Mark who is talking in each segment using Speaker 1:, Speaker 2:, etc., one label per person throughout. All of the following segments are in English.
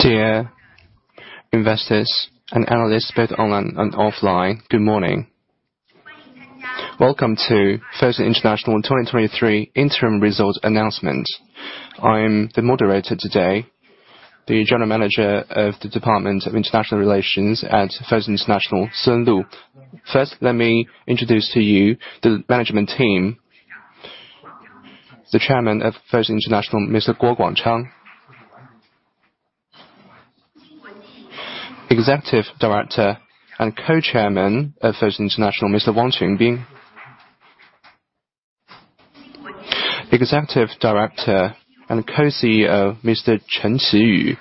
Speaker 1: Dear investors and analysts, both online and offline, good morning. Welcome to Fosun International 2023 interim results announcement. I'm the moderator today, the General Manager of the Department of International Relations at Fosun International, Sun Lu. First, let me introduce to you the management team. The Chairman of Fosun International, Mr. Guo Guangchang. Executive Director and Co-Chairman of Fosun International, Mr. Wang Qunbin. Executive Director and Co-CEO, Mr. Chen Qiyu.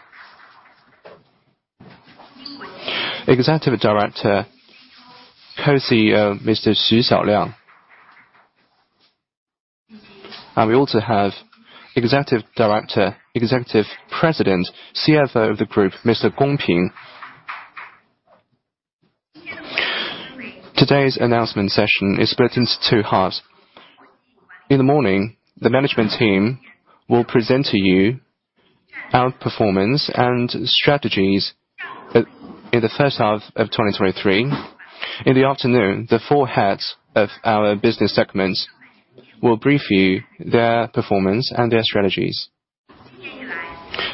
Speaker 1: Executive Director, Co-CEO, Mr. Xu Xiaoliang. And we also have Executive Director, Executive President, CFO of the group, Mr. Gong Ping. Today's announcement session is split into two halves. In the morning, the management team will present to you our performance and strategies in the first half of 2023. In the afternoon, the four heads of our business segments will brief you their performance and their strategies.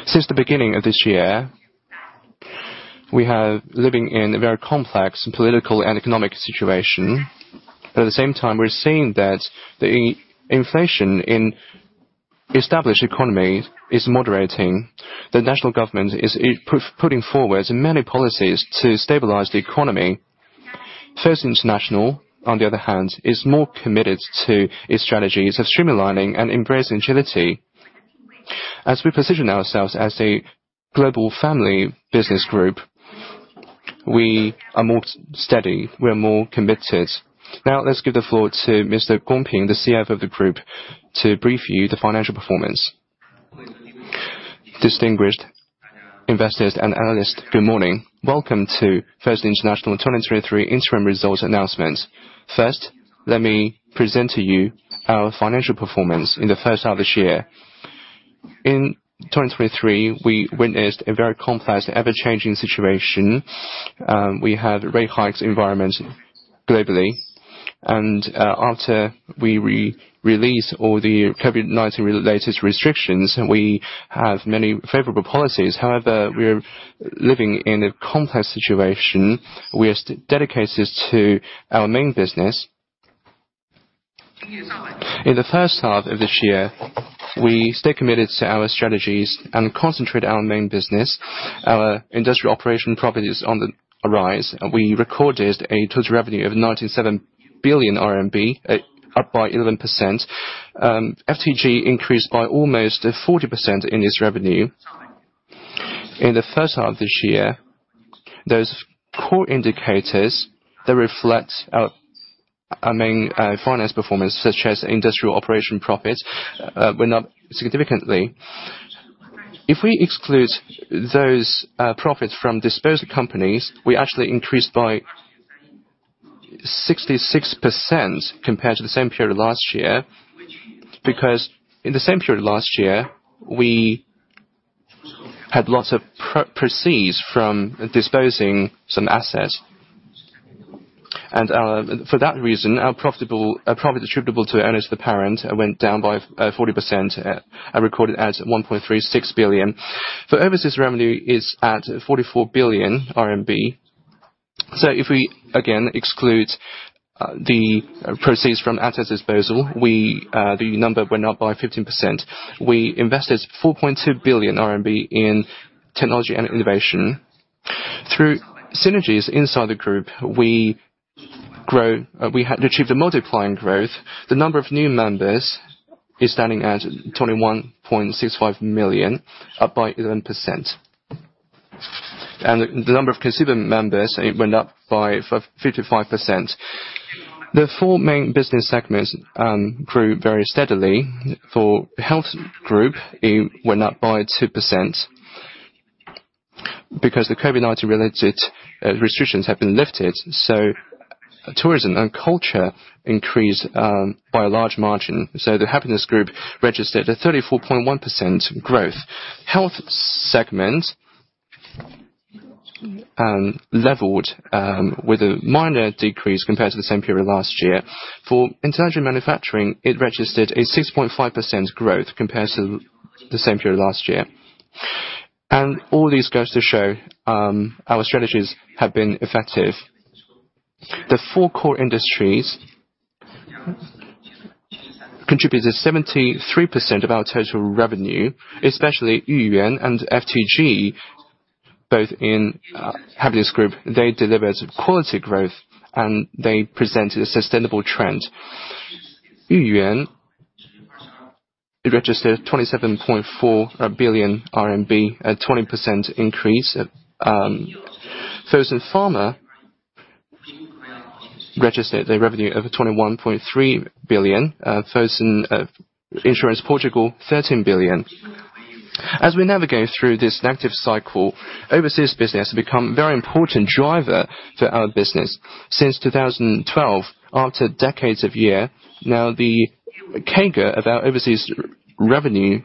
Speaker 1: Since the beginning of this year, we have living in a very complex political and economic situation, but at the same time, we're seeing that the inflation in established economies is moderating. The national government is putting forward many policies to stabilize the economy. Fosun International, on the other hand, is more committed to its strategies of streamlining and embracing agility. As we position ourselves as a global family business group, we are more steady, we are more committed. Now, let's give the floor to Mr. Gong Ping, the CFO of the group, to brief you the financial performance. Distinguished investors and analysts, good morning. Welcome to Fosun International 2023 interim results announcement. First, let me present to you our financial performance in the first half of this year. In 2023, we witnessed a very complex, ever-changing situation. We had rate hikes environment globally, and after we re-release all the COVID-19 related restrictions, and we have many favorable policies. However, we're living in a complex situation. We are dedicated to our main business. In the first half of this year, we stay committed to our strategies and concentrate our main business. Our industrial operation profit is on the rise, and we recorded a total revenue of 97 billion RMB, up by 11%. FTG increased by almost 40% in its revenue. In the first half of this year, those core indicators that reflect our main financial performance, such as industrial operation profits, went up significantly. If we exclude those profits from disposed companies, we actually increased by 66% compared to the same period last year. Because in the same period last year, we had lots of proceeds from disposing some assets. And, for that reason, our profit attributable to owners of the parent went down by 40%, and recorded as 1.36 billion. For overseas revenue is at 44 billion RMB. So if we again exclude the proceeds from asset disposal, we, the number went up by 15%. We invested 4.2 billion RMB in technology and innovation. Through synergies inside the group, we had achieved a multiplying growth. The number of new members is standing at 21.65 million, up by 11%. And the number of consumer members, it went up by 55%. The four main business segments grew very steadily. For health group, it went up by 2%. Because the COVID-19 related restrictions have been lifted, so tourism and culture increased by a large margin. So the Happiness Group registered a 34.1% growth. Health segment leveled with a minor decrease compared to the same period last year. For intelligent manufacturing, it registered a 6.5% growth compared to the same period last year. And all this goes to show our strategies have been effective. The four core industries contributed 73% of our total revenue, especially Yuyuan and FTG, both in Happiness Group. They delivered quality growth, and they presented a sustainable trend. Yuyuan, it registered 27.4 billion RMB, a 20% increase. Fosun Pharma registered a revenue of 21.3 billion, Fosun Insurance Portugal, 13 billion. As we navigate through this negative cycle, overseas business has become a very important driver for our business. Since 2012, after decades of year, now the CAGR of our overseas revenue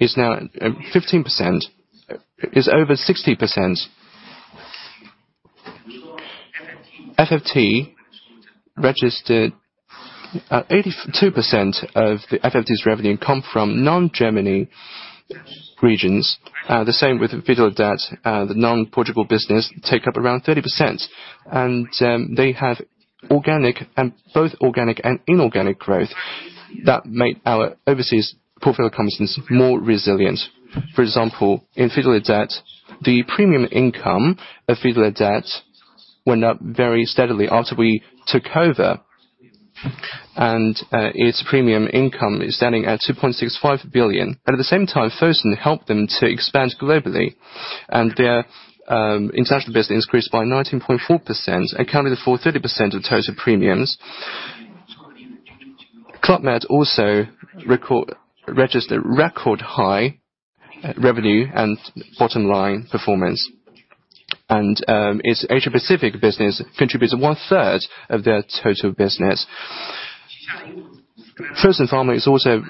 Speaker 1: is now at, 15%, is over 60%. FFT registered, 82% of the FFT's revenue and come from non-Germany regions. The same with Fidelidade. The non-Portugal business take up around 30%. And, they have organic, and both organic and inorganic growth that make our overseas portfolio companies more resilient. For example, in Fidelidade, the premium income of Fidelidade went up very steadily after we took over. And, its premium income is standing at 2.65 billion. At the same time, Fosun helped them to expand globally, and their international business increased by 19.4%, accounting for 30% of total premiums. Club Med also registered record high revenue and bottom line performance. And its Asia Pacific business contributes one third of their total business. Fosun Pharma is also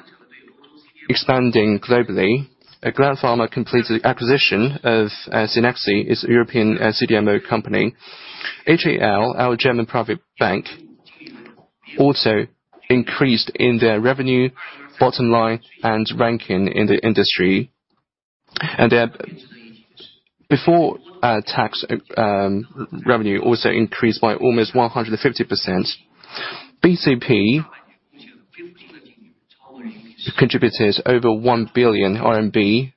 Speaker 1: expanding globally. Gland Pharma completed the acquisition of Cenexi, its European CDMO company. HAL, our German private bank, also increased in their revenue, bottom line, and ranking in the industry. And their before tax revenue also increased by almost 150%. BCP contributed over 1 billion RMB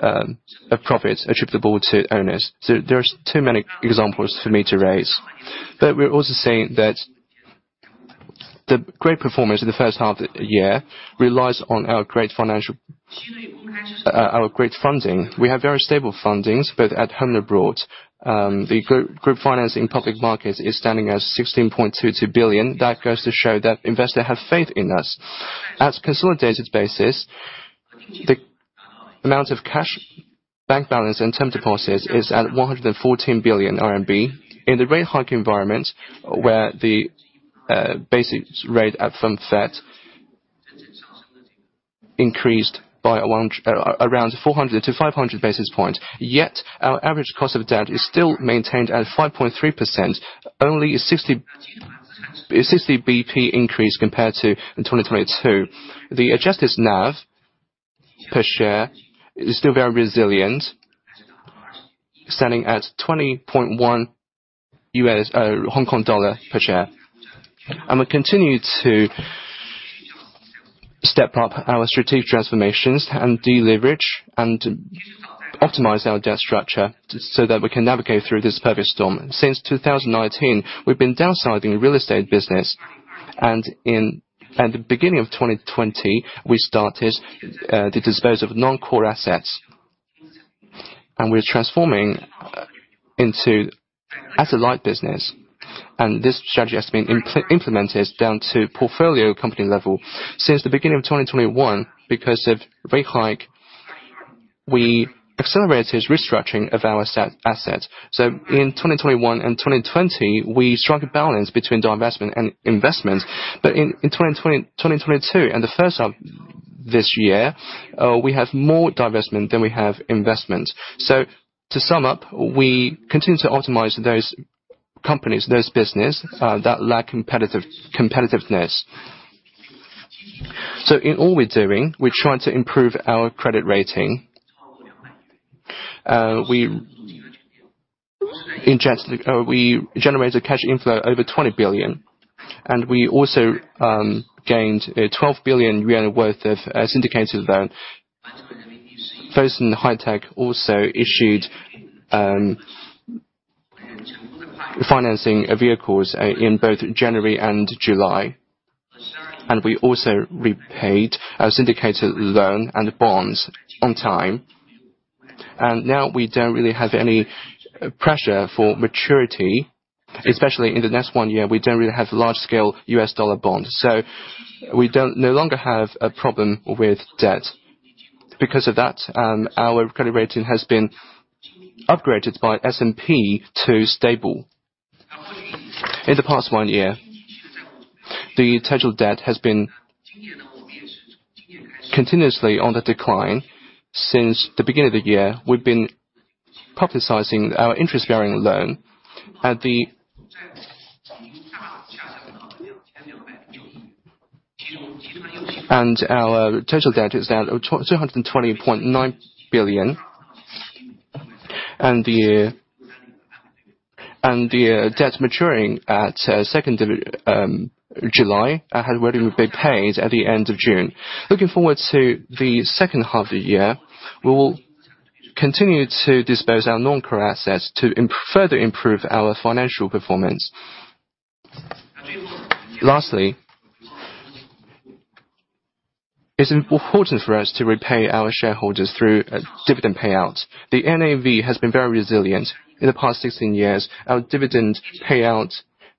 Speaker 1: of profits attributable to owners. So there's too many examples for me to raise. But we're also saying that the great performance in the first half of the year relies on our great financial- our great funding. We have very stable fundings, both at home and abroad. The group financing public markets is standing at $16.22 billion. That goes to show that investors have faith in us. At consolidated basis, the amount of cash, bank balance, and term deposits is at 114 billion RMB. In the rate hike environment, where the basic rate up from Fed increased by around 400-500 basis points, yet our average cost of debt is still maintained at 5.3%, only a 60 BP increase compared to in 2022. The adjusted NAV per share is still very resilient, standing at 20.1 HKD per share. We continue to step up our strategic transformations and deleverage, and optimize our debt structure so that we can navigate through this perfect storm. Since 2019, we've been downsizing real estate business, and at the beginning of 2020, we started to dispose of non-core assets, and we're transforming into asset-light business, and this strategy has been implemented down to portfolio company level. Since the beginning of 2021, because of rate hike, we accelerated restructuring of our assets. In 2021 and 2020, we struck a balance between divestment and investment. In 2022 and the first half this year, we have more divestment than we have investment. To sum up, we continue to optimize those companies, those business, that lack competitiveness. So in all we're doing, we're trying to improve our credit rating. In January, we generated cash inflow over 20 billion, and we also gained a 12 billion yuan worth of syndicated loan. Fosun High Tech also issued financing vehicles in both January and July. We also repaid our syndicated loan and bonds on time. Now we don't really have any pressure for maturity, especially in the next one year, we don't really have large-scale US dollar bonds. So we don't no longer have a problem with debt. Because of that, our credit rating has been upgraded by S&P to stable. In the past one year, the total debt has been continuously on the decline. Since the beginning of the year, we've been publicizing our interest-varying loan. And our total debt is down to 220.9 billion. And the debt maturing at second of July had already been paid at the end of June. Looking forward to the second half of the year, we will continue to dispose our non-core assets to further improve our financial performance. Lastly, it's important for us to repay our shareholders through a dividend payout. The NAV has been very resilient. In the past 16 years, our dividend payout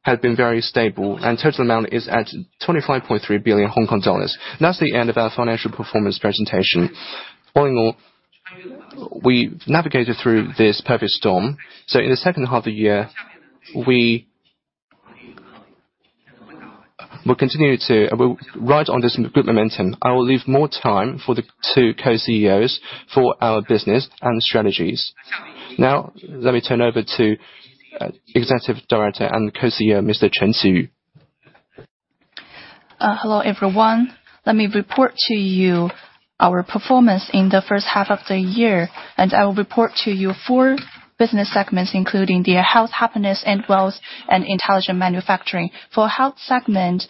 Speaker 1: has been very stable, and total amount is at 25.3 billion Hong Kong dollars. That's the end of our financial performance presentation. Going on. We navigated through this perfect storm. So in the second half of the year, we will continue to. We'll ride on this good momentum.
Speaker 2: I will leave more time for the two co-CEOs for our business and strategies. Now, let me turn over to Executive Director and Co-CEO, Mr. Chen Qiyu.
Speaker 3: Hello, everyone. Let me report to you our performance in the first half of the year, and I will report to you four business segments, including the health, happiness, and wealth, and intelligent manufacturing. For health segment,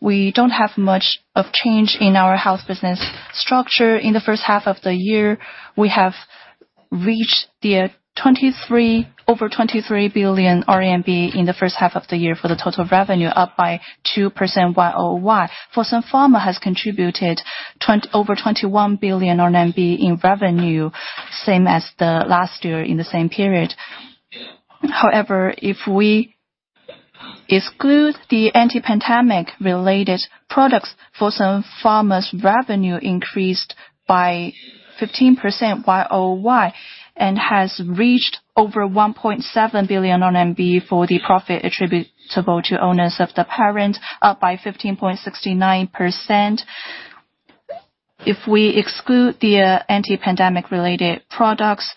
Speaker 3: we don't have much of change in our health business structure. In the first half of the year, we have reached over 23 billion RMB in the first half of the year for the total revenue, up by 2% Y-O-Y. Fosun Pharma has contributed over 21 billion RMB in revenue, same as the last year in the same period. However, if we exclude the anti-pandemic related products, Fosun Pharma's revenue increased by 15% Y-O-Y, and has reached over 1.7 billion RMB for the profit attributable to owners of the parent, up by 15.69%. If we exclude the anti-pandemic related products,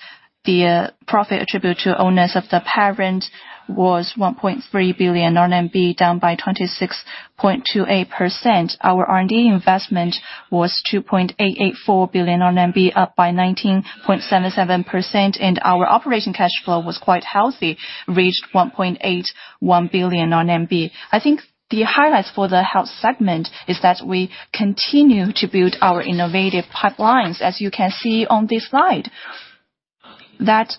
Speaker 3: profit attributable to owners of the parent was 1.3 billion RMB, down by 26.28%. Our R&D investment was 2.884 billion RMB, up by 19.77%, and our operation cash flow was quite healthy, reached 1.81 billion RMB. I think the highlights for the health segment is that we continue to build our innovative pipelines, as you can see on this slide, that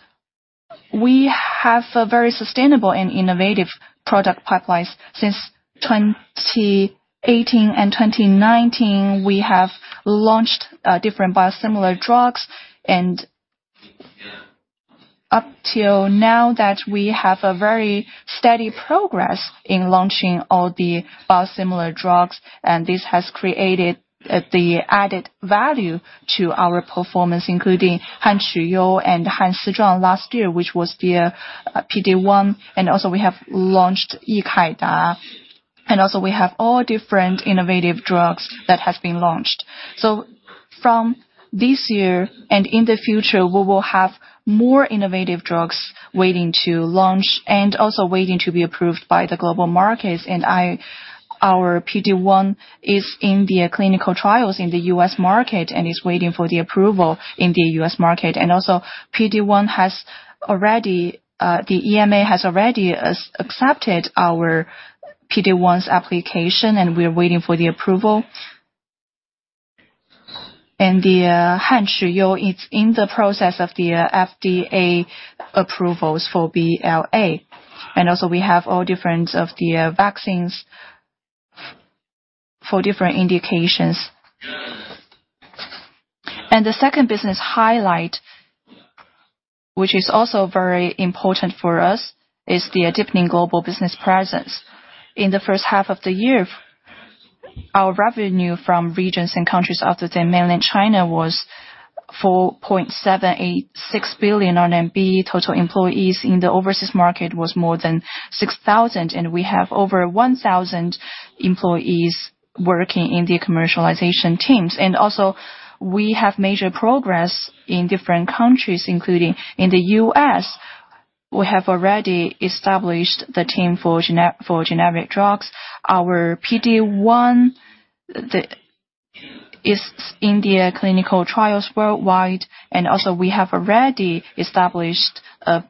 Speaker 3: we have a very sustainable and innovative product pipelines. Since 2018 and 2019, we have launched different biosimilar drugs, and up till now that we have a very steady progress in launching all the biosimilar drugs, and this has created the added value to our performance, including HANQUYOU and HANSIZHUANG last year, which was the PD-1, and also we have launched Yi Kai Da. And also, we have all different innovative drugs that have been launched. So from this year and in the future, we will have more innovative drugs waiting to launch and also waiting to be approved by the global markets. And our PD-1 is in the clinical trials in the US market, and is waiting for the approval in the US market. And also, PD-1 has already the EMA has already accepted our PD-1's application, and we're waiting for the approval. The HANQUYOU is in the process of the FDA approvals for BLA. And also, we have all different of the vaccines for different indications. And the second business highlight, which is also very important for us, is the deepening global business presence. In the first half of the year, our revenue from regions and countries other than Mainland China was 4.786 billion RMB. Total employees in the overseas market was more than 6,000, and we have over 1,000 employees working in the commercialization teams. And also, we have major progress in different countries, including in the U.S., we have already established the team for generic drugs. Our PD-1 is in the clinical trials worldwide, and also we have already established a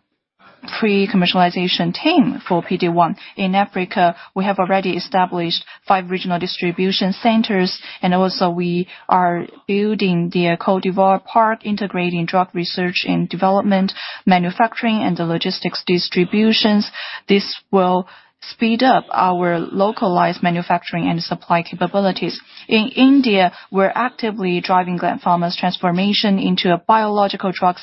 Speaker 3: pre-commercialization team for PD-1. In Africa, we have already established five regional distribution centers, and also we are building the Côte d'Ivoire park, integrating drug research and development, manufacturing, and the logistics distributions. This will speed up our localized manufacturing and supply capabilities. In India, we're actively driving Gland Pharma's transformation into a biological drug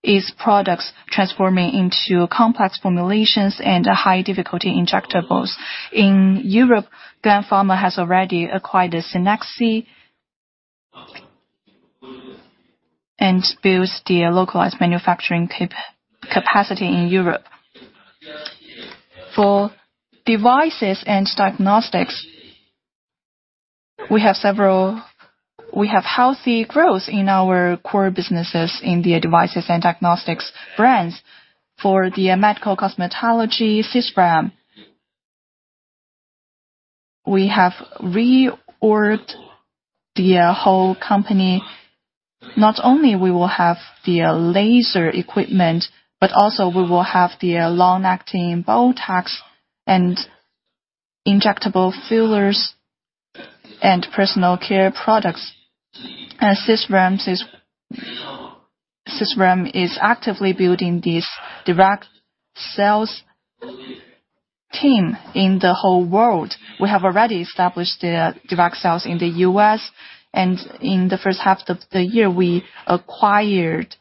Speaker 3: CDMO, with its products transforming into complex formulations and high difficulty injectables. In Europe, Gland Pharma has already acquired the Cenexi. Boost the localized manufacturing capacity in Europe. For devices and diagnostics, we have healthy growth in our core businesses in the devices and diagnostics brands. For the medical cosmetology, Sisram, we have reordered the whole company. Not only we will have the laser equipment, but also we will have the long-acting Botox and injectable fillers and personal care products. Sisram is actively building this direct sales team in the whole world. We have already established the direct sales in the U.S., and in the first half of the year, we acquired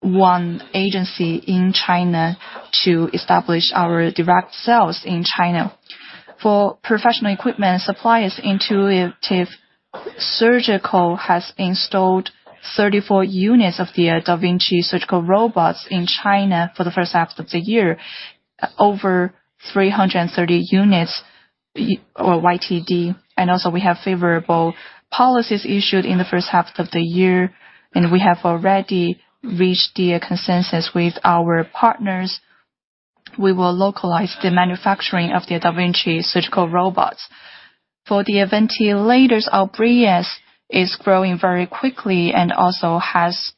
Speaker 3: one agency in China to establish our direct sales in China. For professional equipment suppliers, Intuitive Surgical has installed 34 units of the da Vinci surgical robots in China for the first half of the year, over 330 units or YTD. And also, we have favorable policies issued in the first half of the year, and we have already reached the consensus with our partners. We will localize the manufacturing of the da Vinci surgical robots. For the ventilators, our Breas is growing very quickly and also has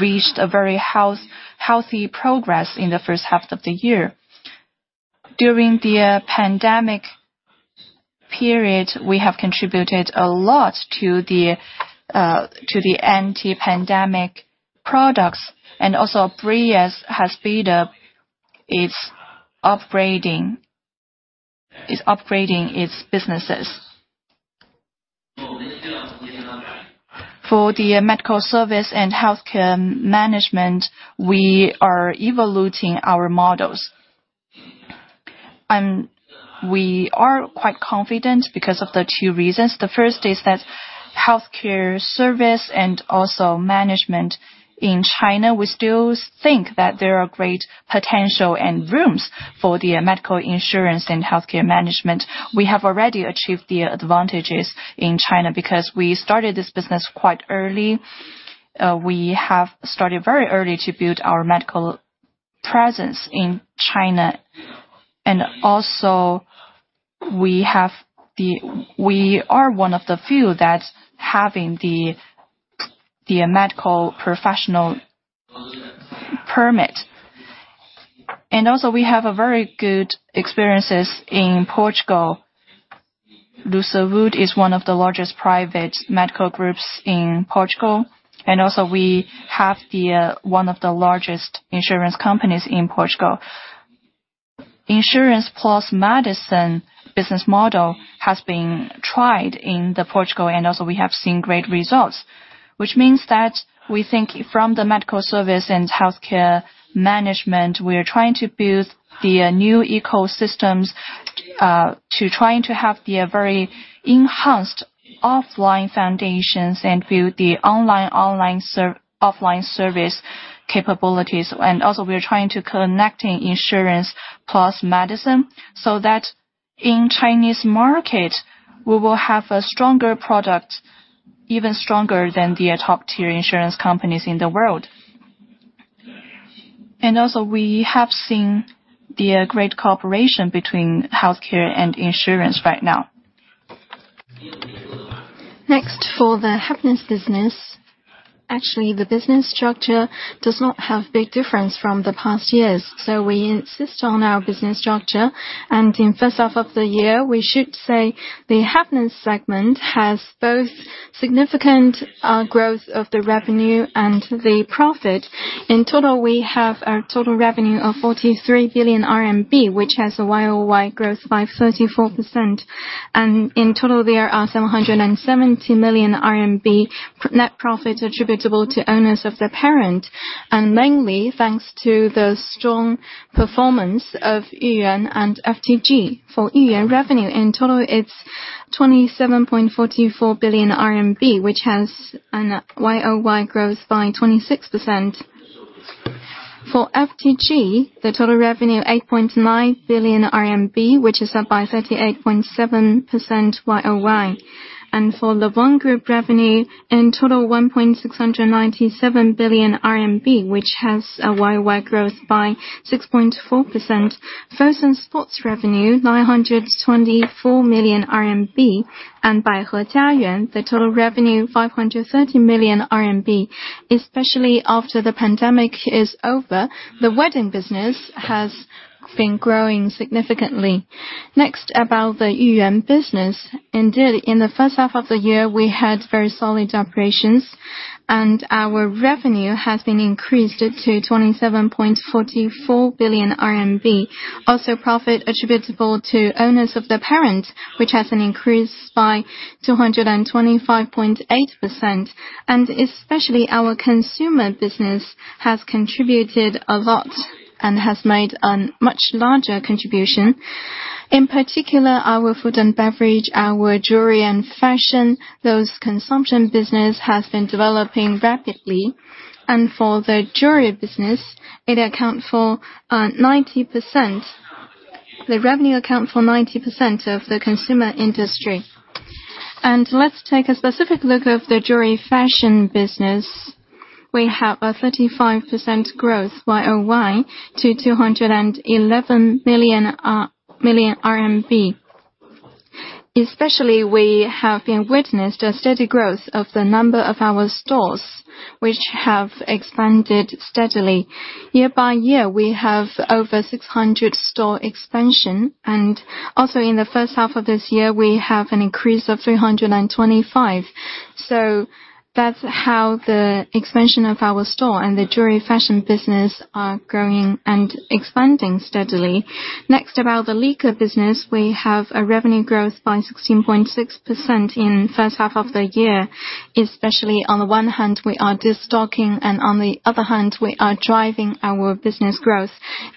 Speaker 3: reached a very healthy progress in the first half of the year. During the pandemic period, we have contributed a lot to the anti-pandemic products, and also Breas has speed up its upgrading, is upgrading its businesses. For the medical service and healthcare management, we are evaluating our models. We are quite confident because of the two reasons. The first is that healthcare service and also management in China, we still think that there are great potential and rooms for the medical insurance and healthcare management. We have already achieved the advantages in China because we started this business quite early. We have started very early to build our medical presence in China. And also, we have the—we are one of the few that's having the, the medical professional permit. And also, we have a very good experiences in Portugal. Luz Saúde is one of the largest private medical groups in Portugal, and also we have the one of the largest insurance companies in Portugal. Insurance plus medicine business model has been tried in Portugal, and also we have seen great results, which means that we think from the medical service and healthcare management, we are trying to build the new ecosystems to trying to have the very enhanced offline foundations and build the online offline service capabilities. Also, we are trying to connect insurance plus medicine, so that in Chinese market, we will have a stronger product, even stronger than the top-tier insurance companies in the world. Also, we have seen the great cooperation between healthcare and insurance right now.
Speaker 4: Next, for the Happiness business. Actually, the business structure does not have big difference from the past years, so we insist on our business structure. And in first half of the year, we should say the Happiness segment has both significant growth of the revenue and the profit. In total, we have a total revenue of 43 billion RMB, which has a YOY growth by 34%. And in total, there are 770 million RMB net profit attributable to owners of the parent, and mainly thanks to the strong performance of Yuyuan and FTG. For Yuyuan revenue, in total, it's 27.44 billion RMB, which has a year-over-year growth by 26%. For FTG, the total revenue, 8.9 billion RMB, which is up by 38.7% year-over-year. And for the Yuyuan revenue, in total, 1.697 billion RMB, which has a year-over-year growth by 6.4%. Furs and Sports revenue, 924 million RMB, and Baihe Jiayuan, the total revenue, 530 million RMB. Especially after the pandemic is over, the wedding business has been growing significantly. Next, about the Yuyuan business. Indeed, in the first half of the year, we had very solid operations, and our revenue has been increased to 27.44 billion RMB. Also, profit attributable to owners of the parent, which has an increase by 225.8%. Especially our consumer business has contributed a lot and has made a much larger contribution. In particular, our food and beverage, our jewelry and fashion, those consumption business has been developing rapidly. For the jewelry business, it account for 90%. The revenue account for 90% of the consumer industry. Let's take a specific look of the jewelry fashion business. We have a 35% growth Y-o-Y to 211 million. Especially, we have been witnessed a steady growth of the number of our stores, which have expanded steadily. Year-by-year, we have over 600 store expansion, and also in the first half of this year, we have an increase of 325.... So that's how the expansion of our store and the jewelry fashion business are growing and expanding steadily. Next, about the Lanvin business, we have a revenue growth by 16.6% in first half of the year. Especially on the one hand, we are destocking, and on the other hand, we are driving our business growth,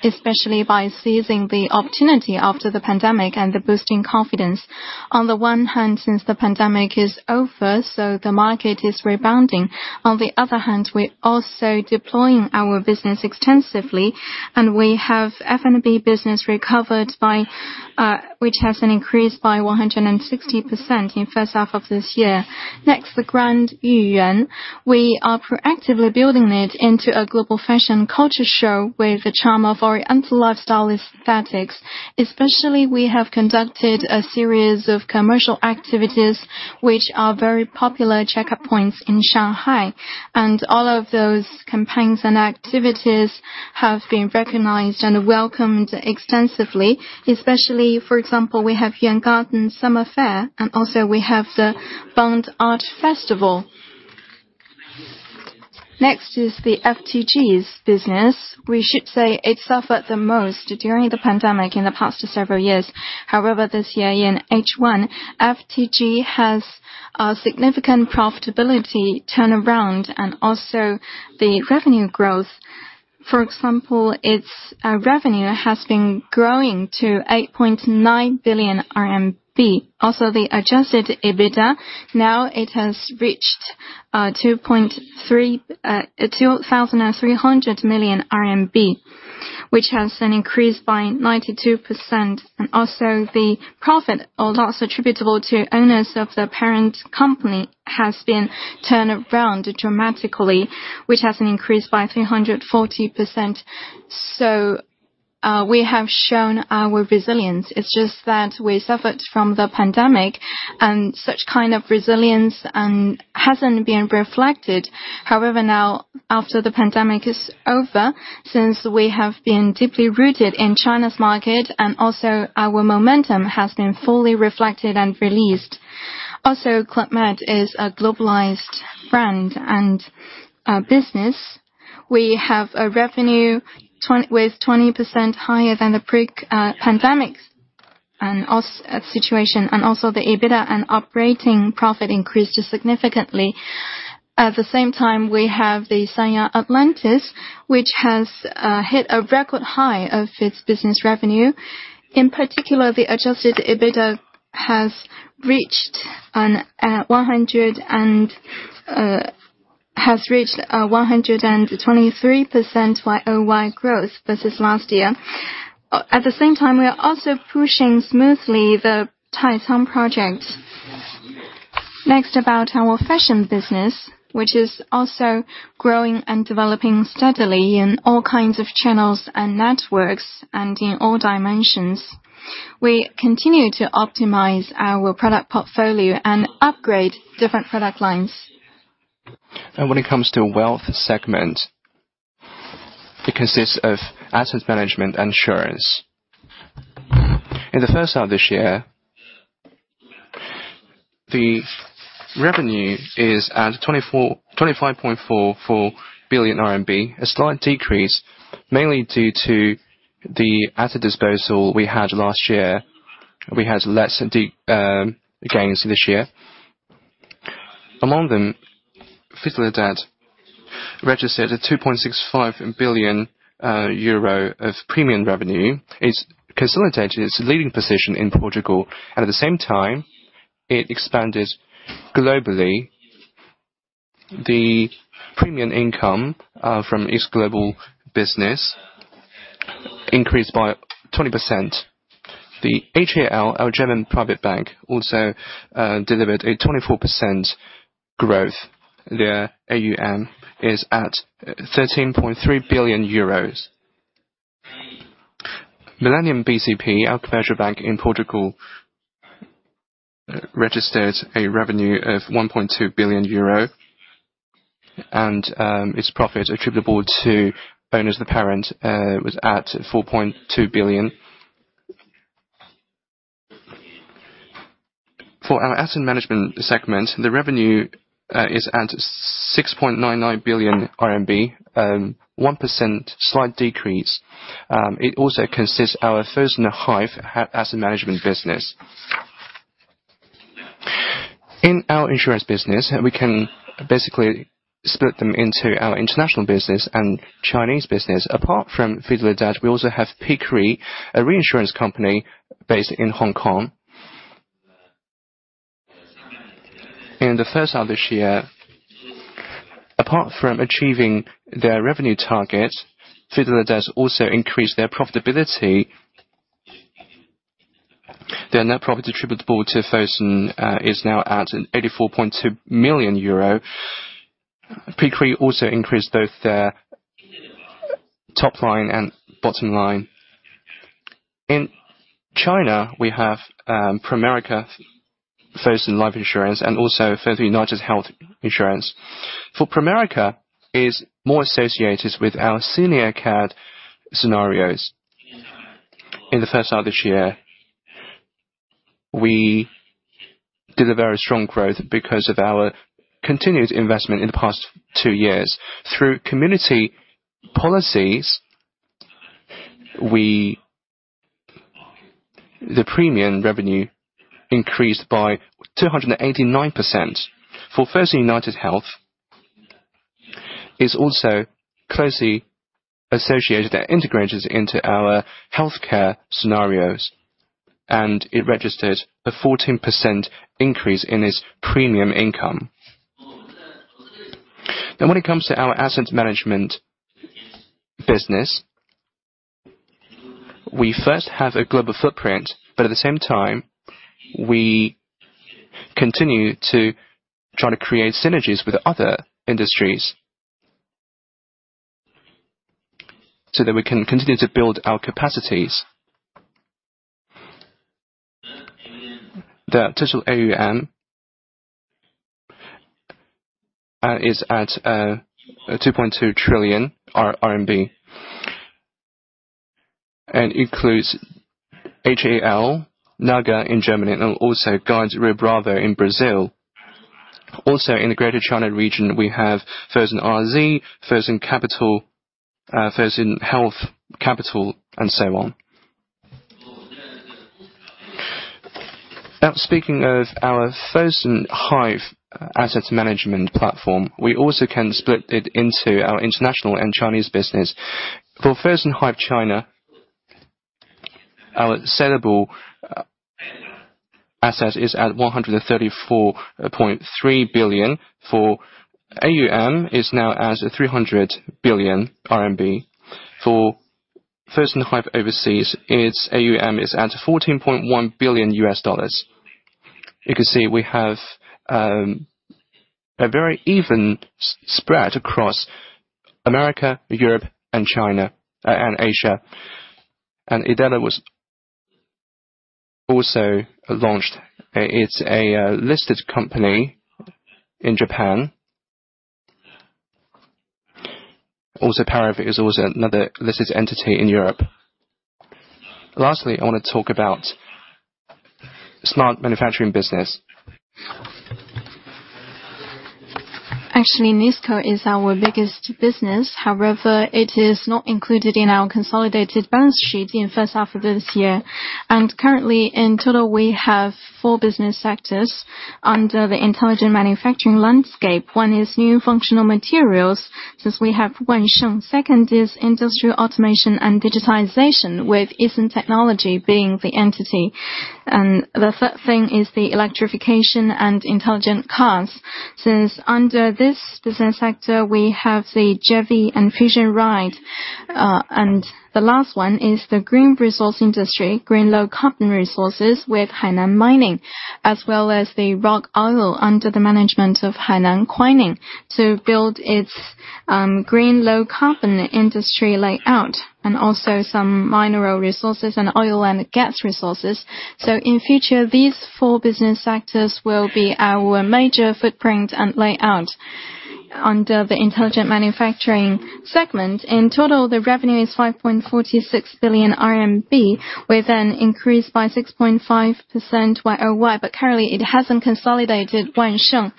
Speaker 4: especially by seizing the opportunity after the pandemic and the boosting confidence. On the one hand, since the pandemic is over, so the market is rebounding. On the other hand, we're also deploying our business extensively, and we have FNB business recovered by, which has an increased by 160% in first half of this year. Next, the Grand Yuyuan. We are proactively building it into a global fashion culture show with the charm of our anti-lifestylist aesthetics. Especially, we have conducted a series of commercial activities which are very popular checkup points in Shanghai, and all of those campaigns and activities have been recognized and welcomed extensively. Especially, for example, we have Yuyuan Garden Summer Fair, and also we have the Bund Art Festival. Next is the FTG's business. We should say it suffered the most during the pandemic in the past several years. However, this year in H1, FTG has a significant profitability turnaround and also the revenue growth. For example, its revenue has been growing to 8.9 billion RMB. Also, the adjusted EBITDA, now it has reached 2,300 million RMB, which has an increase by 92%. And also, the profit or loss attributable to owners of the parent company has been turned around dramatically, which has an increase by 340%. So, we have shown our resilience. It's just that we suffered from the pandemic, and such kind of resilience and hasn't been reflected. However, now, after the pandemic is over, since we have been deeply rooted in China's market, and also our momentum has been fully reflected and released. Also, Club Med is a globalized brand and, business. We have a revenue with 20% higher than the pre-pandemic situation, and also the EBITDA and operating profit increased significantly. At the same time, we have the Sanya Atlantis, which has, hit a record high of its business revenue. In particular, the adjusted EBITDA has reached 123% year-over-year growth versus last year. At the same time, we are also pushing smoothly the Taicang project. Next, about our fashion business, which is also growing and developing steadily in all kinds of channels and networks and in all dimensions. We continue to optimize our product portfolio and upgrade different product lines.
Speaker 2: When it comes to wealth segment, it consists of asset management and insurance. In the first half of this year, the revenue is at 24.2544 billion RMB, a slight decrease, mainly due to the asset disposal we had last year. We had less gains this year. Among them, Fidelidade registered a 2.65 billion euro of premium revenue. It consolidated its leading position in Portugal, and at the same time, it expanded globally. The premium income from its global business increased by 20%. The HAL, our German private bank, also delivered a 24% growth. Their AUM is at 13.3 billion euros. Millennium bcp, our commercial bank in Portugal, registered a revenue of 1.2 billion euro, and its profit attributable to owners of the parent was at 4.2 billion. For our asset management segment, the revenue is at 6.99 billion RMB, 1% slight decrease. It also consists of our first half asset management business. In our insurance business, we can basically split them into our international business and Chinese business. Apart from Fidelidade, we also have Peak Re, a reinsurance company based in Hong Kong. In the first half of this year, apart from achieving their revenue target, Fidelidade also increased their profitability. Their net profit attributable to Fosun is now at 84.2 million euro. Peak Re also increased both their top line and bottom line. In China, we have Pramerica Fosun Life insurance and also United Health Insurance. For Pramerica Fosun Life, it is more associated with our senior care scenarios. In the first half of this year, we did a very strong growth because of our continued investment in the past two years. Through community policies, the premium revenue increased by 289%. For Fosun United Health, it's also closely associated and integrated into our healthcare scenarios, and it registered a 14% increase in its premium income. Then when it comes to our asset management business, we first have a global footprint, but at the same time, we continue to try to create synergies with other industries, so that we can continue to build our capacities. The total AUM is at 2.2 trillion CNY. And includes HAL, NAGA in Germany, and also Guide, Rio Bravo in Brazil. Also, in the Greater China region, we have Fosun RZ, Fosun Capital, Fosun Health Capital, and so on. Now, speaking of our Fosun Hive asset management platform, we also can split it into our international and Chinese business. For Fosun Hive China, our sellable asset is at 134.3 billion. For AUM, is now as 300 billion RMB RMB. For Fosun Hive overseas, its AUM is at $14.1 billion. You can see we have a very even spread across America, Europe, and China, and Asia. IDERA was also launched. It's a listed company in Japan. Also, Paref is also another listed entity in Europe. Lastly, I want to talk about smart manufacturing business.
Speaker 4: Actually, NISCO is our biggest business. However, it is not included in our consolidated balance sheet in first half of this year. Currently, in total, we have four business sectors under the intelligent manufacturing landscape. One is new functional materials, since we have Wansheng. Second is industrial automation and digitization, with Easun Technology being the entity. The third thing is the electrification and intelligent cars. Since under this business sector, we have the Geesun and Fosun Ride. And the last one is the green resource industry, green low carbon resources with Hainan Mining, as well as the Roc Oil under the management of Hainan Quanxing, to build its green low carbon industry layout, and also some mineral resources and oil and gas resources. In future, these four business sectors will be our major footprint and layout under the intelligent manufacturing segment. In total, the revenue is 5.46 billion RMB, with an increase by 6.5% Y-o-Y, but currently, it hasn't consolidated Wansheng.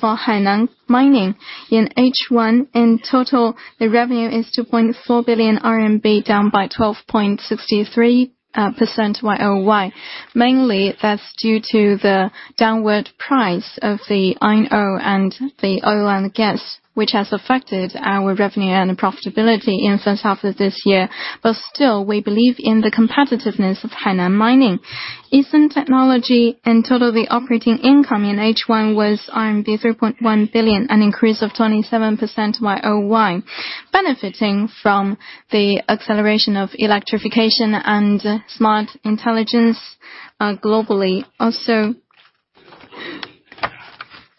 Speaker 4: For Hainan Mining, in H1, in total, the revenue is 2.4 billion RMB, down by 12.63% Y-o-Y. Mainly, that's due to the downward price of the iron ore and the oil and gas, which has affected our revenue and profitability in first half of this year. But still, we believe in the competitiveness of Hainan Mining. Easun Technology, in total, the operating income in H1 was RMB 3.1 billion, an increase of 27% Y-o-Y, benefiting from the acceleration of electrification and smart intelligence globally. Also,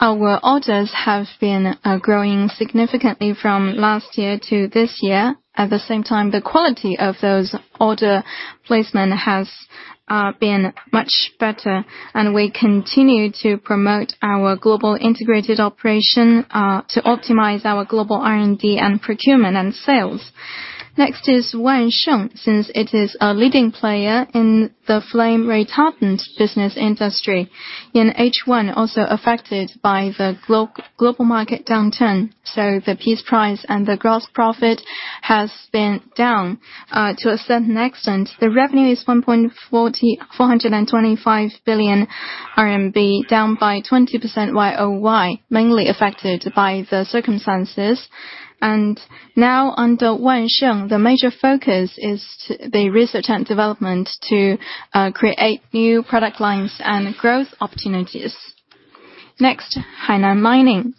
Speaker 4: our orders have been growing significantly from last year to this year. At the same time, the quality of those order placement has been much better, and we continue to promote our global integrated operation to optimize our global R&D, and procurement, and sales. Next is Wansheng, since it is a leading player in the flame retardant business industry. In H1, also affected by the global market downturn, so the piece price and the gross profit has been down to a certain extent. The revenue is 1.4425 billion RMB, down by 20% year-over-year, mainly affected by the circumstances. Now, under Wansheng, the major focus is the research and development to create new product lines and growth opportunities. Next, Hainan Mining.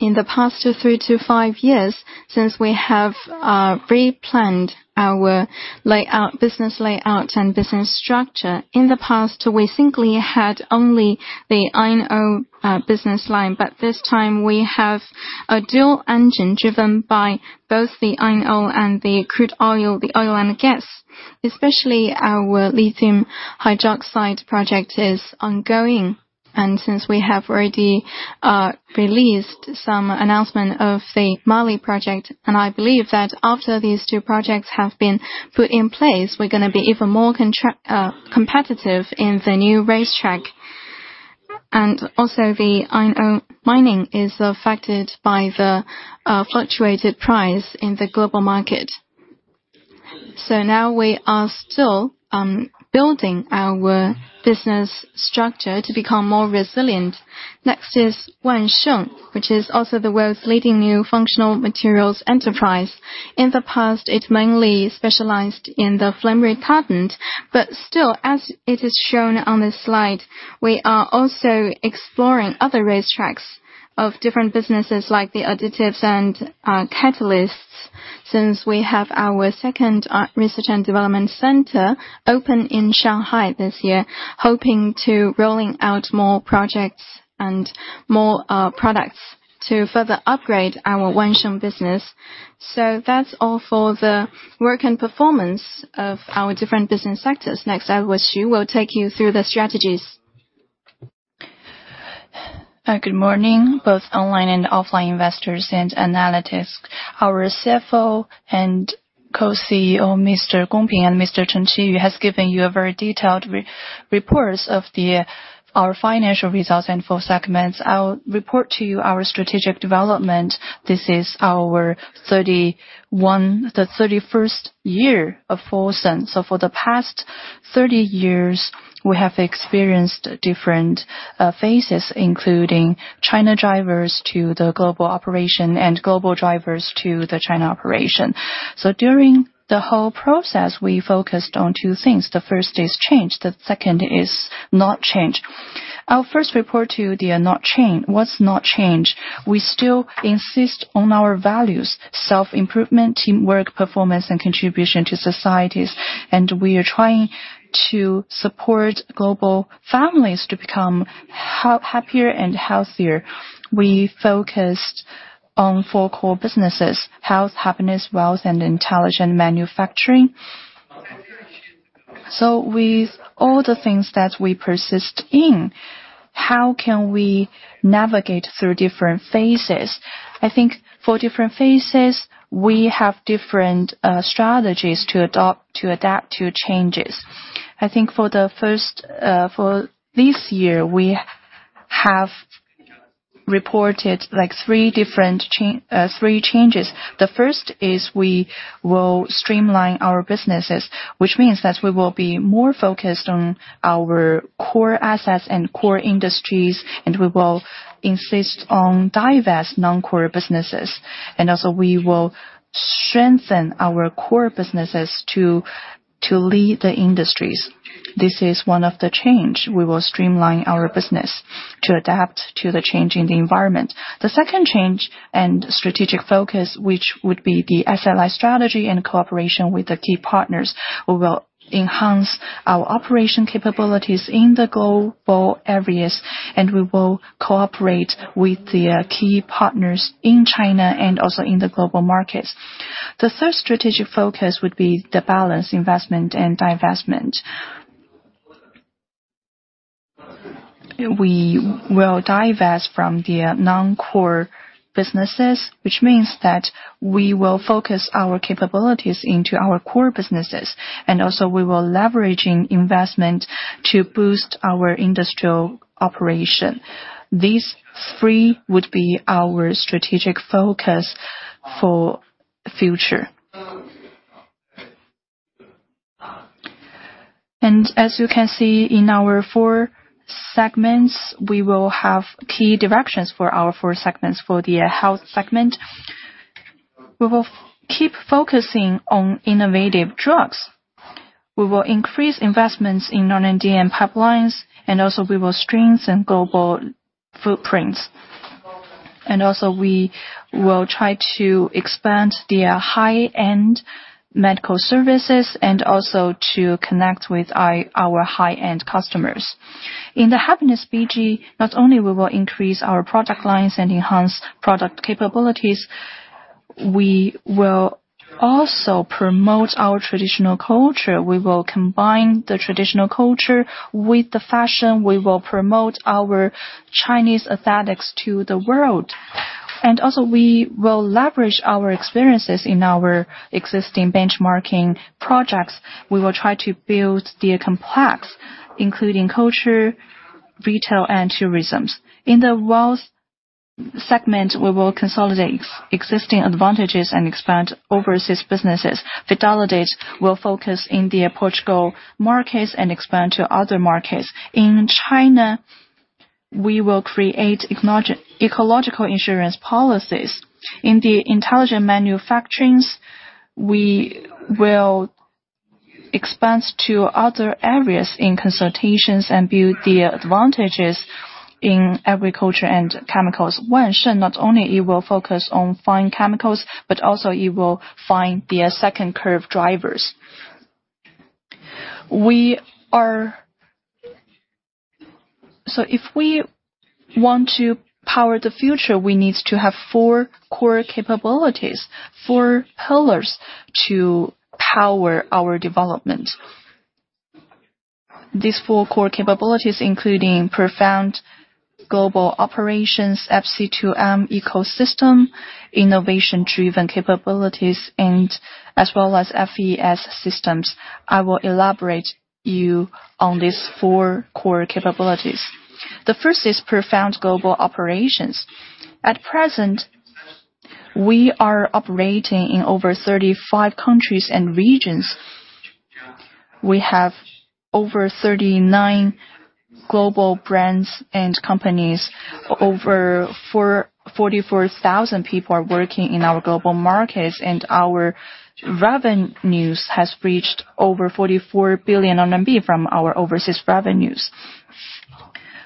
Speaker 4: In the past three to five years, since we have replanned our layout, business layout and business structure. In the past, we simply had only the iron ore, business line, but this time we have a dual engine driven by both the iron ore and the crude oil, the oil and gas. Especially our lithium hydroxide project is ongoing. ...
Speaker 3: And since we have already released some announcement of the Mali project, and I believe that after these two projects have been put in place, we're gonna be even more competitive in the new racetrack. And also, the iron ore mining is affected by the fluctuated price in the global market. So now we are still building our business structure to become more resilient. Next is Wansheng, which is also the world's leading new functional materials enterprise. In the past, it mainly specialized in the flame retardant, but still, as it is shown on this slide, we are also exploring other racetracks of different businesses, like the additives and catalysts. Since we have our second research and development center open in Shanghai this year, hoping to rolling out more projects and more products to further upgrade our Wansheng business. So that's all for the work and performance of our different business sectors. Next, Xu Xiaoliang will take you through the strategies. Good morning, both online and offline investors and analysts. Our CFO and co-CEO, Mr. Gong Ping and Mr. Chen Qiyu, has given you a very detailed reports of our financial results and four segments. I'll report to you our strategic development. This is our 31st—the 31st year of Fosun. So for the past 30 years, we have experienced different phases, including China drivers to the global operation and global drivers to the China operation. So during the whole process, we focused on two things. The first is change, the second is not change. I'll first report to you the not change. What's not change? We still insist on our values: self-improvement, teamwork, performance, and contribution to societies, and we are trying to support global families to become happier and healthier. We focused on four core businesses: health, happiness, wealth, and intelligent manufacturing. So with all the things that we persist in, how can we navigate through different phases? I think for different phases, we have different strategies to adopt, to adapt to changes. I think for the first, for this year, we have reported, like, three different three changes. The first is we will streamline our businesses, which means that we will be more focused on our core assets and core industries, and we will insist on divest non-core businesses. And also, we will strengthen our core businesses to lead the industries. This is one of the change. We will streamline our business to adapt to the changing environment. The second change and strategic focus, which would be the SLI strategy and cooperation with the key partners. We will enhance our operation capabilities in the global areas, and we will cooperate with the key partners in China and also in the global markets. The third strategic focus would be the balance investment and divestment. We will divest from the non-core businesses, which means that we will focus our capabilities into our core businesses, and also we will leveraging investment to boost our industrial operation. These three would be our strategic focus for future. And as you can see in our four segments, we will have key directions for our four segments. For the health segment, we will keep focusing on innovative drugs. We will increase investments in R&D and pipelines, and also we will strengthen global footprints. And also, we will try to expand the high-end medical services and also to connect with our high-end customers. In the happiness BG, not only we will increase our product lines and enhance product capabilities, we will also promote our traditional culture. We will combine the traditional culture with the fashion. We will promote our Chinese aesthetics to the world. And also, we will leverage our experiences in our existing benchmarking projects. We will try to build the complex, including culture, retail, and tourism. In the wealth segment, we will consolidate existing advantages and expand overseas businesses. Fidelidade will focus in the Portuguese markets and expand to other markets. In China, we will create ecological insurance policies. In the intelligent manufacturing, we will expand to other areas in consultations and build the advantages in agriculture and chemicals. Wansheng, not only it will focus on fine chemicals, but also it will find the second curve drivers. Want to power the future, we need to have four core capabilities, four pillars to power our development. These four core capabilities, including profound global operations, FC2M ecosystem, innovation-driven capabilities, and as well as FES systems. I will elaborate you on these 4 core capabilities. The first is profound global operations. At present, we are operating in over 35 countries and regions. We have over 39 global brands and companies. Over 44,000 people are working in our global markets, and our revenues has reached over 44 billion RMB from our overseas revenues.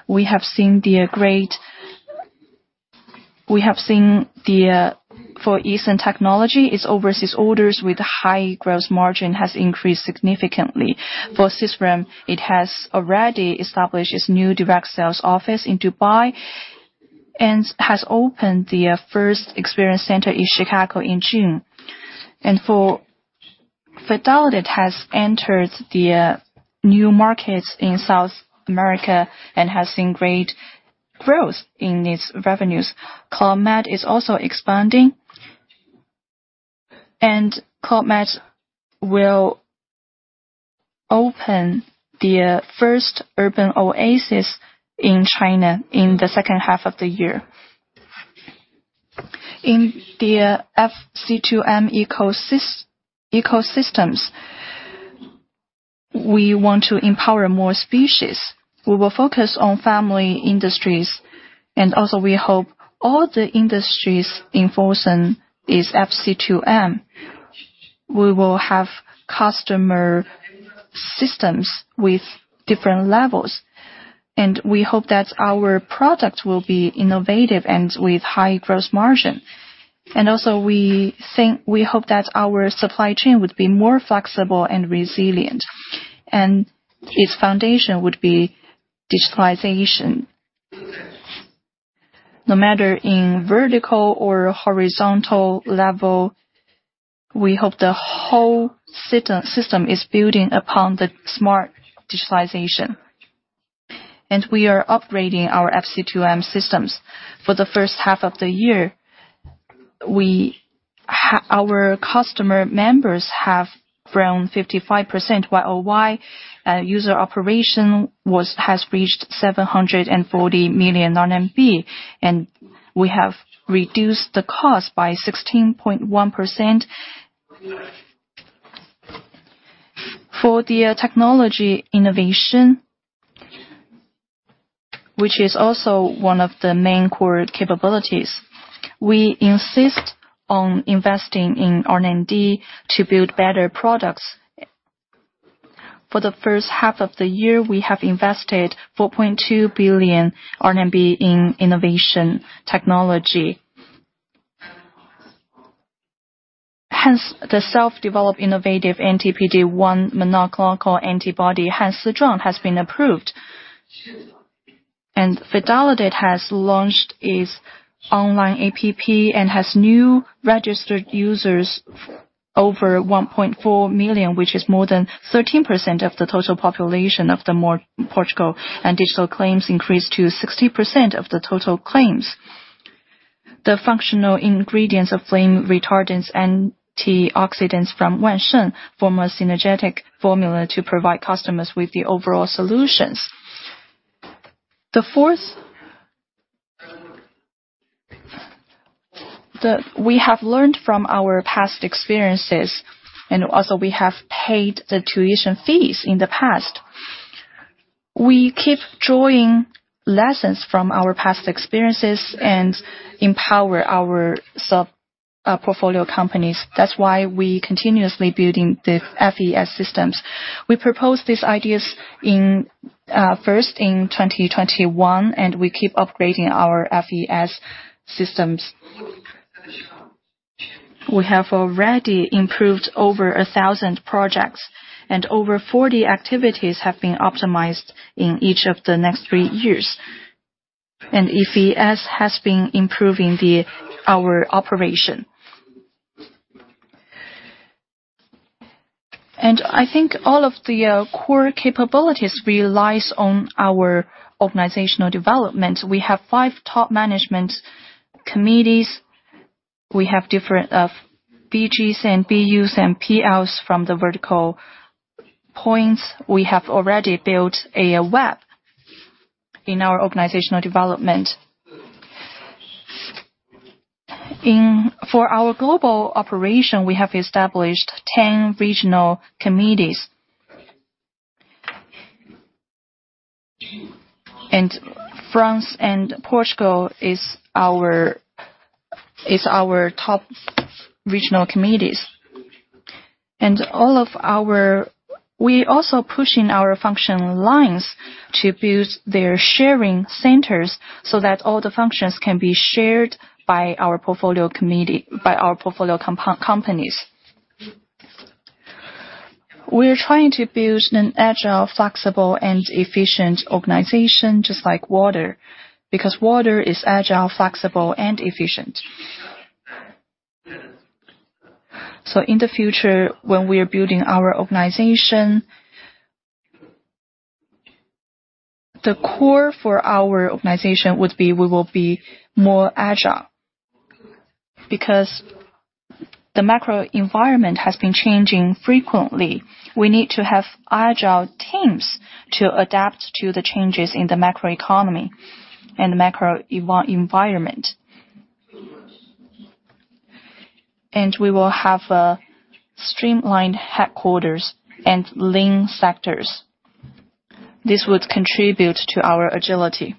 Speaker 3: We have seen for Easun Technology, its overseas orders with high gross margin has increased significantly. For Sisram, it has already established its new direct sales office in Dubai, and has opened the first experience center in Chicago in June. For Fidelidade, has entered the new markets in South America and has seen great growth in its revenues. Club Med is also expanding, and Club Med will open the first urban oasis in China in the second half of the year. In the FC2M ecosystems, we want to empower more species. We will focus on family industries, and also, we hope all the industries in Fosun is FC2M. We will have customer systems with different levels, and we hope that our product will be innovative and with high gross margin. And also, we hope that our supply chain would be more flexible and resilient, and its foundation would be digitalization. No matter in vertical or horizontal level, we hope the whole system is building upon the smart digitalization. We are upgrading our FC2M systems. For the first half of the year, our customer members have grown 55% Y-o-Y, user operation has reached 740 million RMB, and we have reduced the cost by 16.1%. For the technology innovation, which is also one of the main core capabilities, we insist on investing in R&D to build better products. For the first half of the year, we have invested 4.2 billion RMB in innovation technology. Hence, the self-developed innovative anti-PD-1 monoclonal antibody, HANSIZHUANG, has been approved. Fidelidade has launched its online app and has new registered users over 1.4 million, which is more than 13% of the total population of Portugal, and digital claims increased to 60% of the total claims. The functional ingredients of flame retardants, antioxidants from Wansheng, form a synergetic formula to provide customers with the overall solutions. We have learned from our past experiences, and also we have paid the tuition fees in the past. We keep drawing lessons from our past experiences and empower our sub portfolio companies. That's why we continuously building the FES systems. We proposed these ideas in first in 2021, and we keep upgrading our FES systems. We have already improved over 1,000 projects, and over 40 activities have been optimized in each of the next three years, and FES has been improving our operation. And I think all of the core capabilities relies on our organizational development. We have five top management committees. We have different BGs and BUs and PLs from the vertical points. We have already built a web in our organizational development. For our global operation, we have established 10 regional committees. And France and Portugal is our, is our top regional committees. And all of our-- We also pushing our functional lines to build their sharing centers, so that all the functions can be shared by our portfolio committee, by our portfolio companies. We're trying to build an agile, flexible, and efficient organization, just like water, because water is agile, flexible, and efficient. So in the future, when we are building our organization, the core for our organization would be, we will be more agile. Because the macro environment has been changing frequently, we need to have agile teams to adapt to the changes in the macroeconomy and the macro environment. We will have a streamlined headquarters and lean sectors. This would contribute to our agility.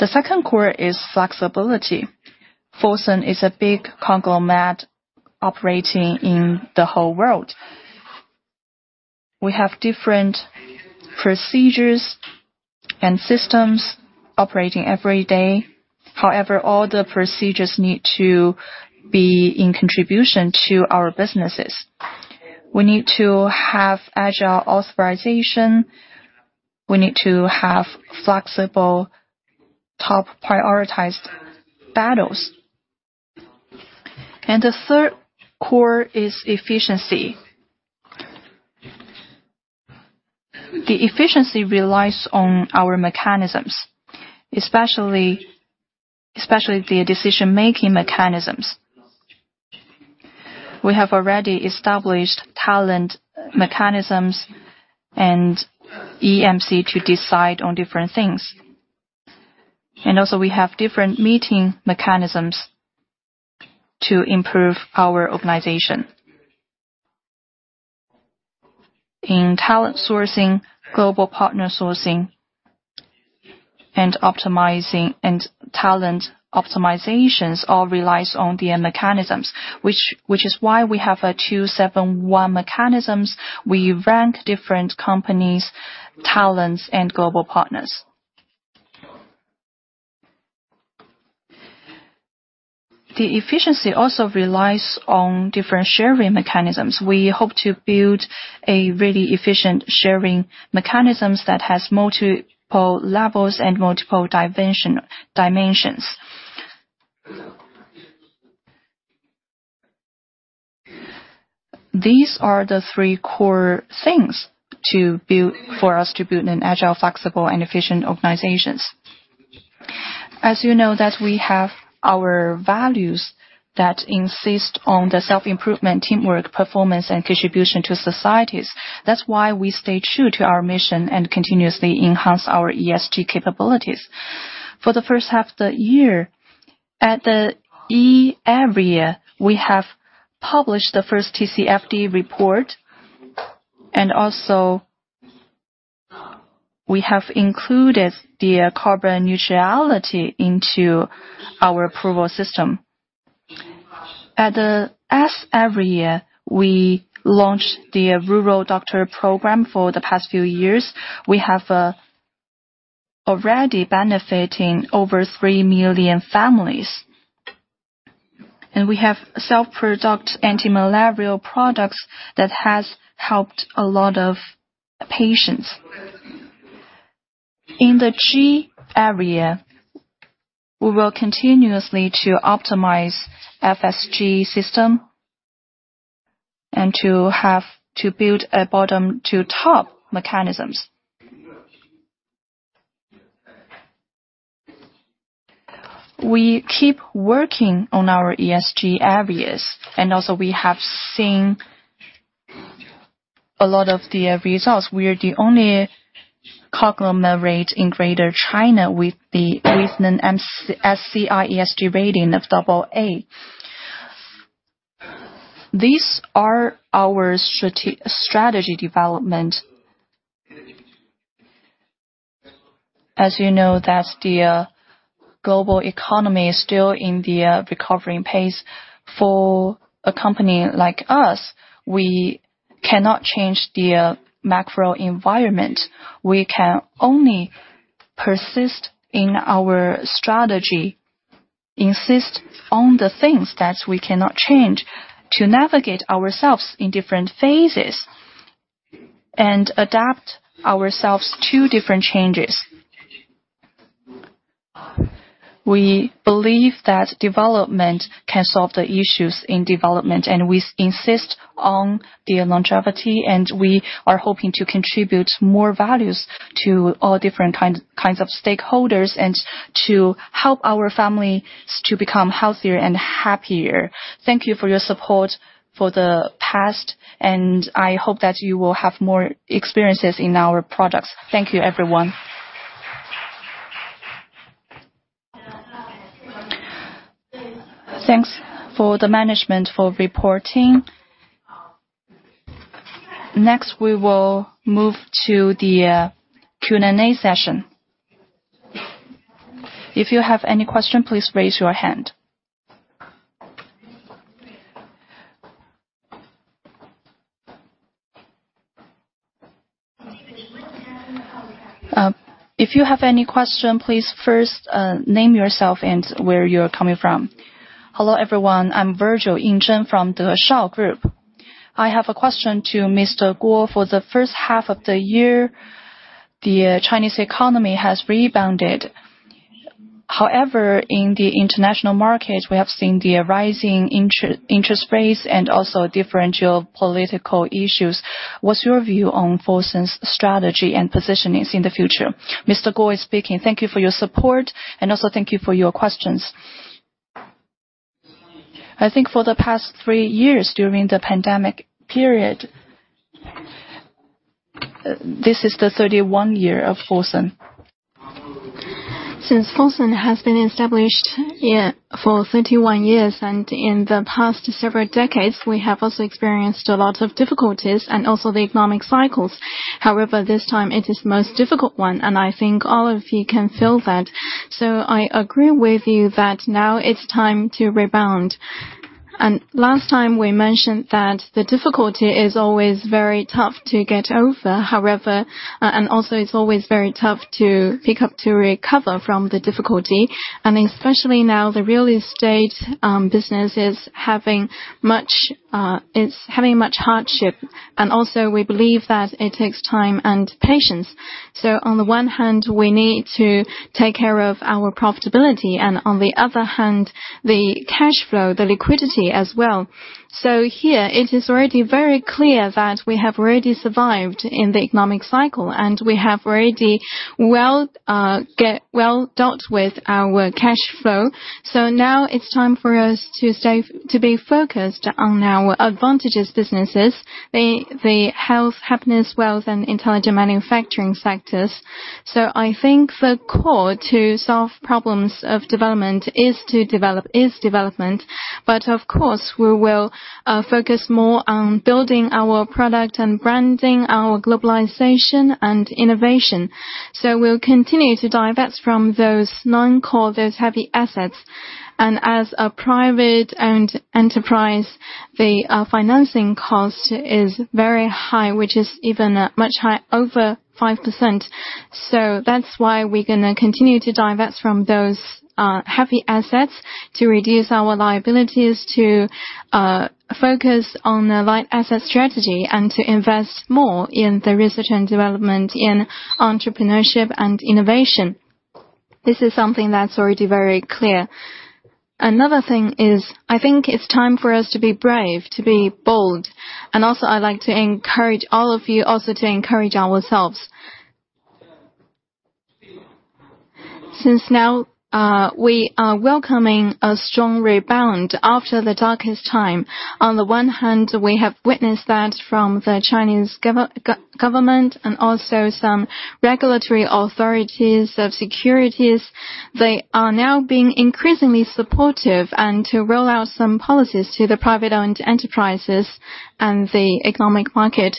Speaker 3: The second core is flexibility. Fosun is a big conglomerate operating in the whole world. We have different procedures and systems operating every day. However, all the procedures need to be in contribution to our businesses. We need to have agile authorization. We need to have flexible, top-prioritized battles. The third core is efficiency. The efficiency relies on our mechanisms, especially the decision-making mechanisms. We have already established talent mechanisms and EMC to decide on different things, and also, we have different meeting mechanisms to improve our organization. In talent sourcing, global partner sourcing, and optimizing and talent optimizations, all relies on the mechanisms, which is why we have a 2-7-1 mechanisms. We rank different companies, talents, and global partners. The efficiency also relies on different sharing mechanisms. We hope to build a really efficient sharing mechanisms that has multiple levels and multiple dimensions. These are the three core things to build for us to build an agile, flexible, and efficient organizations. As you know, that we have our values that insist on the self-improvement, teamwork, performance, and contribution to societies. That's why we stay true to our mission and continuously enhance our ESG capabilities. For the first half the year, at the E area, we have published the first TCFD report, and also, we have included the carbon neutrality into our approval system. At the S, every year, we launch the Rural Doctor program for the past few years. We have already benefiting over one million families, and we have self-product antimalarial products that has helped a lot of patients. In the G area, we will continuously to optimize FES system and to have to build a bottom-to-top mechanisms. We keep working on our ESG areas, and also, we have seen a lot of the results. We are the only conglomerate in Greater China with the recent MSCI ESG rating of double A. These are our strategy development. As you know, that the global economy is still in the recovering pace. For a company like us, we cannot change the macro environment. We can only persist in our strategy, insist on the things that we cannot change, to navigate ourselves in different phases and adapt ourselves to different changes. We believe that development can solve the issues in development, and we insist on the longevity, and we are hoping to contribute more values to all different kind, kinds of stakeholders and to help our families to become healthier and happier. Thank you for your support for the past, and I hope that you will have more experiences in our products. Thank you, everyone. Thanks for the management for reporting. Next, we will move to the Q&A session. If you have any question, please raise your hand.... If you have any question, please first name yourself and where you're coming from. Hello, everyone. I'm Virgil Ingen from the Shao Group. I have a question to Mr. Guo. For the first half of the year, the Chinese economy has rebounded. However, in the international market, we have seen the rising interest rates and also differential political issues. What's your view on Fosun's strategy and positionings in the future? Mr. Guo speaking. Thank you for your support, and also thank you for your questions. I think for the past 3 years, during the pandemic period, this is the 31 year of Fosun. Since Fosun has been established, yeah, for 31 years, and in the past several decades, we have also experienced a lot of difficulties and also the economic cycles. However, this time it is most difficult one, and I think all of you can feel that. So I agree with you that now it's time to rebound. Last time we mentioned that the difficulty is always very tough to get over. However, and also it's always very tough to pick up, to recover from the difficulty, and especially now, the real estate business is having much, it's having much hardship. We believe that it takes time and patience.
Speaker 4: So on the one hand, we need to take care of our profitability, and on the other hand, the cash flow, the liquidity as well. So here it is already very clear that we have already survived in the economic cycle, and we have already well, get well dealt with our cash flow. So now it's time for us to stay to be focused on our advantageous businesses, the health, happiness, wealth, and intelligent manufacturing sectors. So I think the core to solve problems of development is to develop is development. But of course, we will focus more on building our product and branding, our globalization and innovation. So we'll continue to divest from those non-core, those heavy assets. And as a private-owned enterprise, the financing cost is very high, which is even much high, over 5%. So that's why we're gonna continue to divest from those, heavy assets to reduce our liabilities, to, focus on the light asset strategy, and to invest more in the research and development in entrepreneurship and innovation. This is something that's already very clear. Another thing is, I think it's time for us to be brave, to be bold. And also, I'd like to encourage all of you also to encourage ourselves. Since now, we are welcoming a strong rebound after the darkest time. On the one hand, we have witnessed that from the Chinese government and also some regulatory authorities of securities. They are now being increasingly supportive and to roll out some policies to the private-owned enterprises and the economic market.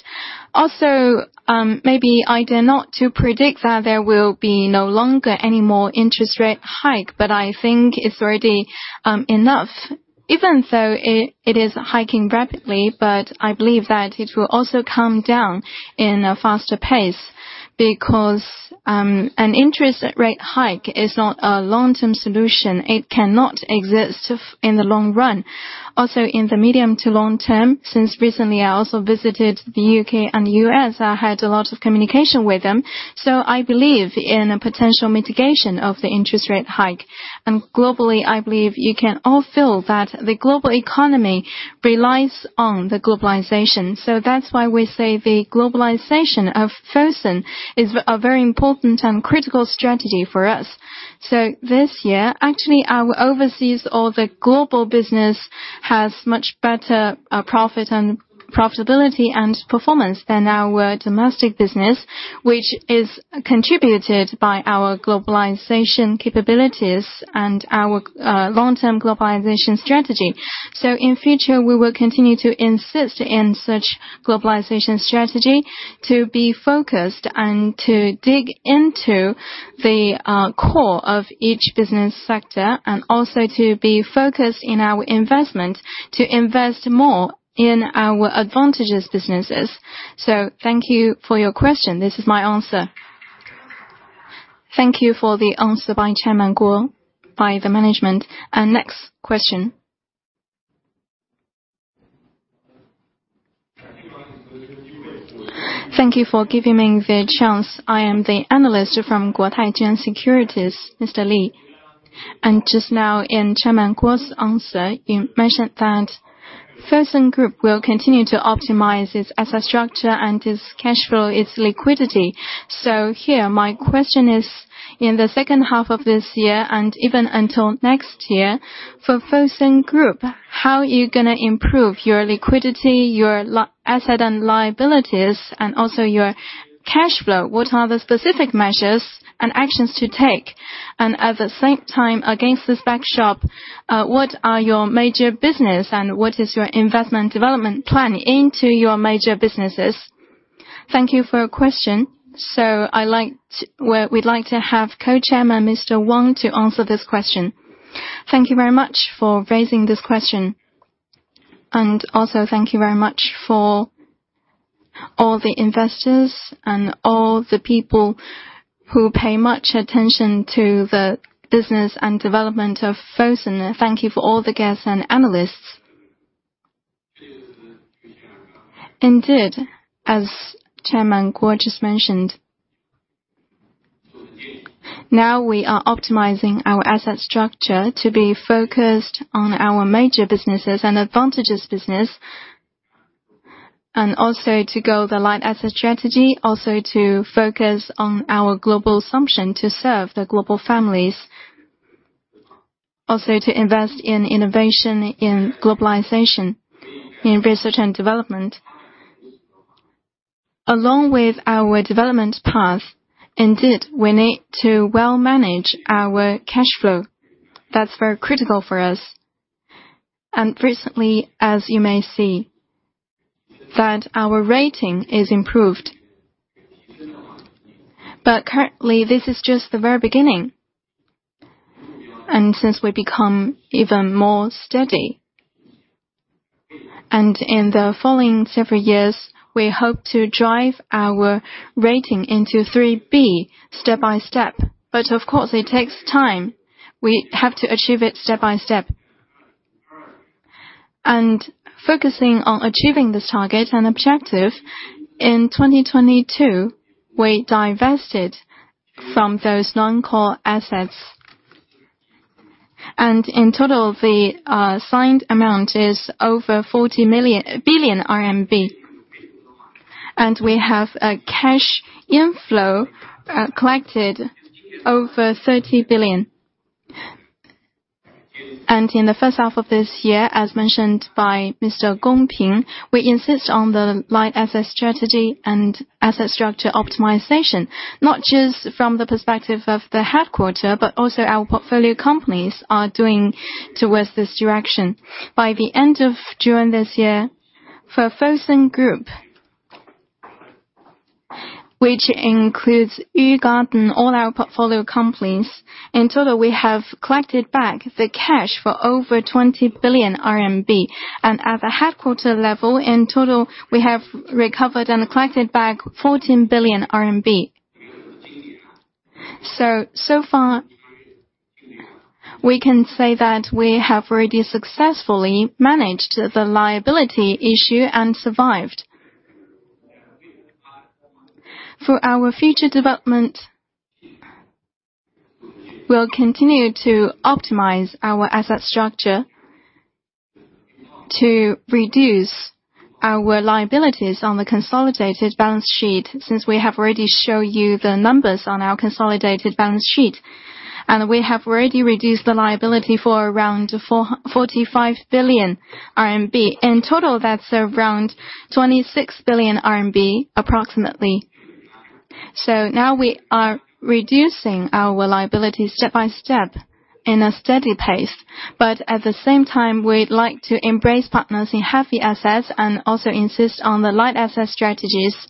Speaker 4: Also, maybe I dare not predict that there will be no longer any more interest rate hike, but I think it's already enough. Even so, it, it is hiking rapidly, but I believe that it will also come down in a faster pace. Because, an interest rate hike is not a long-term solution. It cannot exist in the long run. Also, in the medium to long term, since recently I also visited the U.K. and the U.S., I had a lot of communication with them, so I believe in a potential mitigation of the interest rate hike. And globally, I believe you can all feel that the global economy relies on the globalization. So that's why we say the globalization of Fosun is a, a very important and critical strategy for us. So this year, actually, our overseas or the global business has much better profit and profitability and performance than our domestic business, which is contributed by our globalization capabilities and our long-term globalization strategy. So in future, we will continue to insist in such globalization strategy to be focused and to dig into the core of each business sector, and also to be focused in our investment, to invest more in our advantageous businesses. So thank you for your question. This is my answer.
Speaker 3: Thank you for the answer by Chairman Guo, by the management. Next question.
Speaker 5: Thank you for giving me the chance. I am the analyst from Guotai Junan Securities, Mr. Li. And just now, in Chairman Guo's answer, you mentioned that Fosun Group will continue to optimize its asset structure and its cash flow, its liquidity. So here, my question is: in the second half of this year and even until next year, for Fosun Group, how are you gonna improve your liquidity, asset and liabilities, and also your cash flow? What are the specific measures and actions to take? And at the same time, against this backdrop, what are your major business, and what is your investment development plan into your major businesses? Thank you for your question. So I like to... Well, we'd like to have Co-Chairman Mr. Wang, to answer this question.
Speaker 3: Thank you very much for raising this question....
Speaker 4: Also thank you very much for all the investors and all the people who pay much attention to the business and development of Fosun. Thank you for all the guests and analysts. Indeed, as Chairman Guo just mentioned, now we are optimizing our asset structure to be focused on our major businesses and advantageous business, and also to go the light asset strategy, also to focus on our global assumption, to serve the global families. Also, to invest in innovation, in globalization, in research and development. Along with our development path, indeed, we need to well manage our cash flow. That's very critical for us. And recently, as you may see, that our rating is improved. But currently, this is just the very beginning. Since we've become even more steady, and in the following several years, we hope to drive our rating into BBB step by step. But of course, it takes time. We have to achieve it step by step. Focusing on achieving this target and objective, in 2022, we divested from those non-core assets. In total, the signed amount is over 40 billion RMB, and we have a cash inflow collected over 30 billion. In the first half of this year, as mentioned by Mr. Gong Ping, we insist on the light asset strategy and asset structure optimization, not just from the perspective of the headquarters, but also our portfolio companies are doing towards this direction. By the end of June this year, for Fosun Group, which includes Yu Garden, all our portfolio companies, in total, we have collected back the cash for over 20 billion RMB. And at the headquarters level, in total, we have recovered and collected back 14 billion RMB. So, so far, we can say that we have already successfully managed the liability issue and survived. For our future development, we'll continue to optimize our asset structure to reduce our liabilities on the consolidated balance sheet, since we have already shown you the numbers on our consolidated balance sheet. And we have already reduced the liability for around 45 billion RMB. In total, that's around 26 billion RMB, approximately. So now we are reducing our liability step by step in a steady pace, but at the same time, we'd like to embrace partners in healthy assets and also insist on the light asset strategies.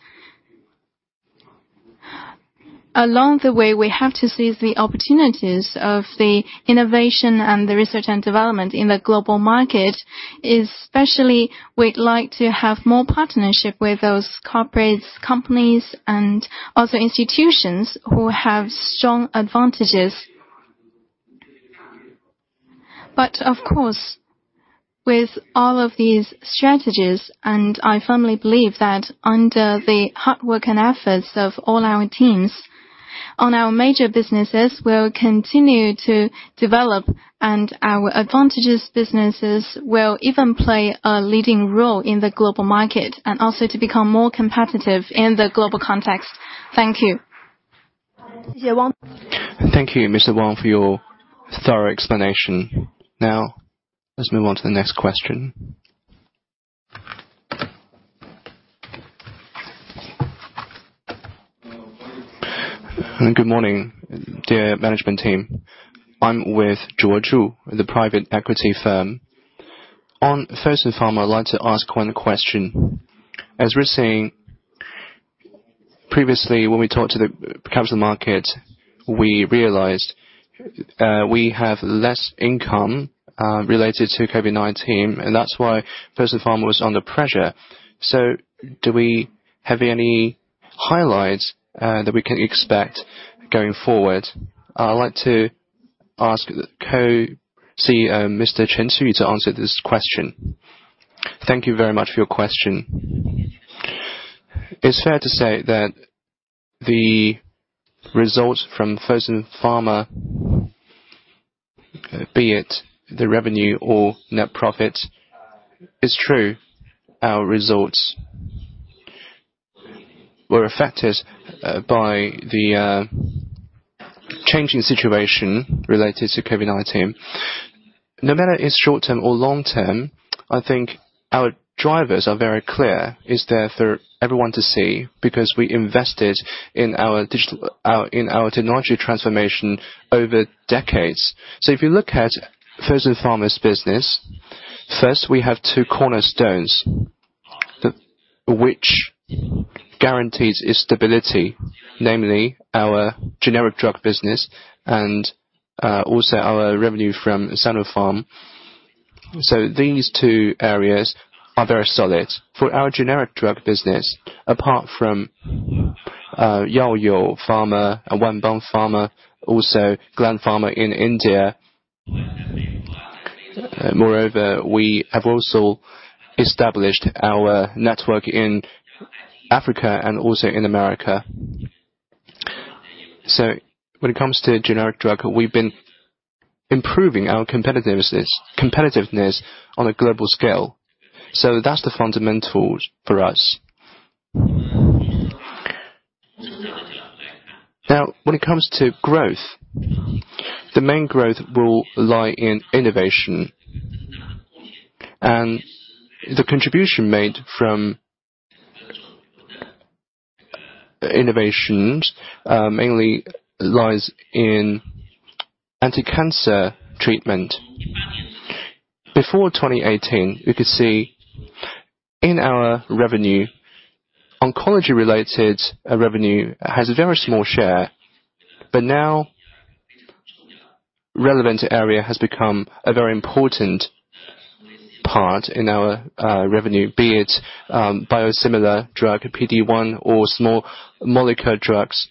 Speaker 4: Along the way, we have to seize the opportunities of the innovation and the research and development in the global market. Especially, we'd like to have more partnership with those corporates, companies, and also institutions who have strong advantages. But of course, with all of these strategies, and I firmly believe that under the hard work and efforts of all our teams on our major businesses, we'll continue to develop, and our advantageous businesses will even play a leading role in the global market, and also to become more competitive in the global context. Thank you.
Speaker 2: Thank you, Mr. Wang, for your thorough explanation. Now, let's move on to the next question. Good morning, dear management team. I'm with Zhuo Zhu, the private equity firm. First and foremost, I'd like to ask one question. As we're seeing, previously, when we talked to the capital market, we realized we have less income related to COVID-19, and that's why Fosun Pharma was under pressure. So do we have any highlights that we can expect going forward? I'd like to ask the Co-CEO, Mr. Chen Qiyu, to answer this question. Thank you very much for your question. It's fair to say that the results from Fosun Pharma, be it the revenue or net profit, is true. Our results were affected by the changing situation related to COVID-19. No matter it's short term or long term, I think our drivers are very clear, it's there for everyone to see, because we invested in our digital, in our technology transformation over decades. So if you look at Fosun Pharma's business, first, we have two cornerstones, which guarantees its stability, namely our generic drug business and also our revenue from Sinopharm. So these two areas are very solid. For our generic drug business, apart from Yao Pharma and Wanbang Pharma, also Gland Pharma in India. Moreover, we have also established our network in Africa and also in America. So when it comes to generic drug, we've been improving our competitiveness on a global scale. So that's the fundamentals for us. Now, when it comes to growth, the main growth will lie in innovation. The contribution made from innovations mainly lies in anticancer treatment. Before 2018, you could see in our revenue, oncology-related revenue has a very small share, but now, relevant area has become a very important part in our revenue, be it biosimilar drug, PD-1, or small molecule drugs.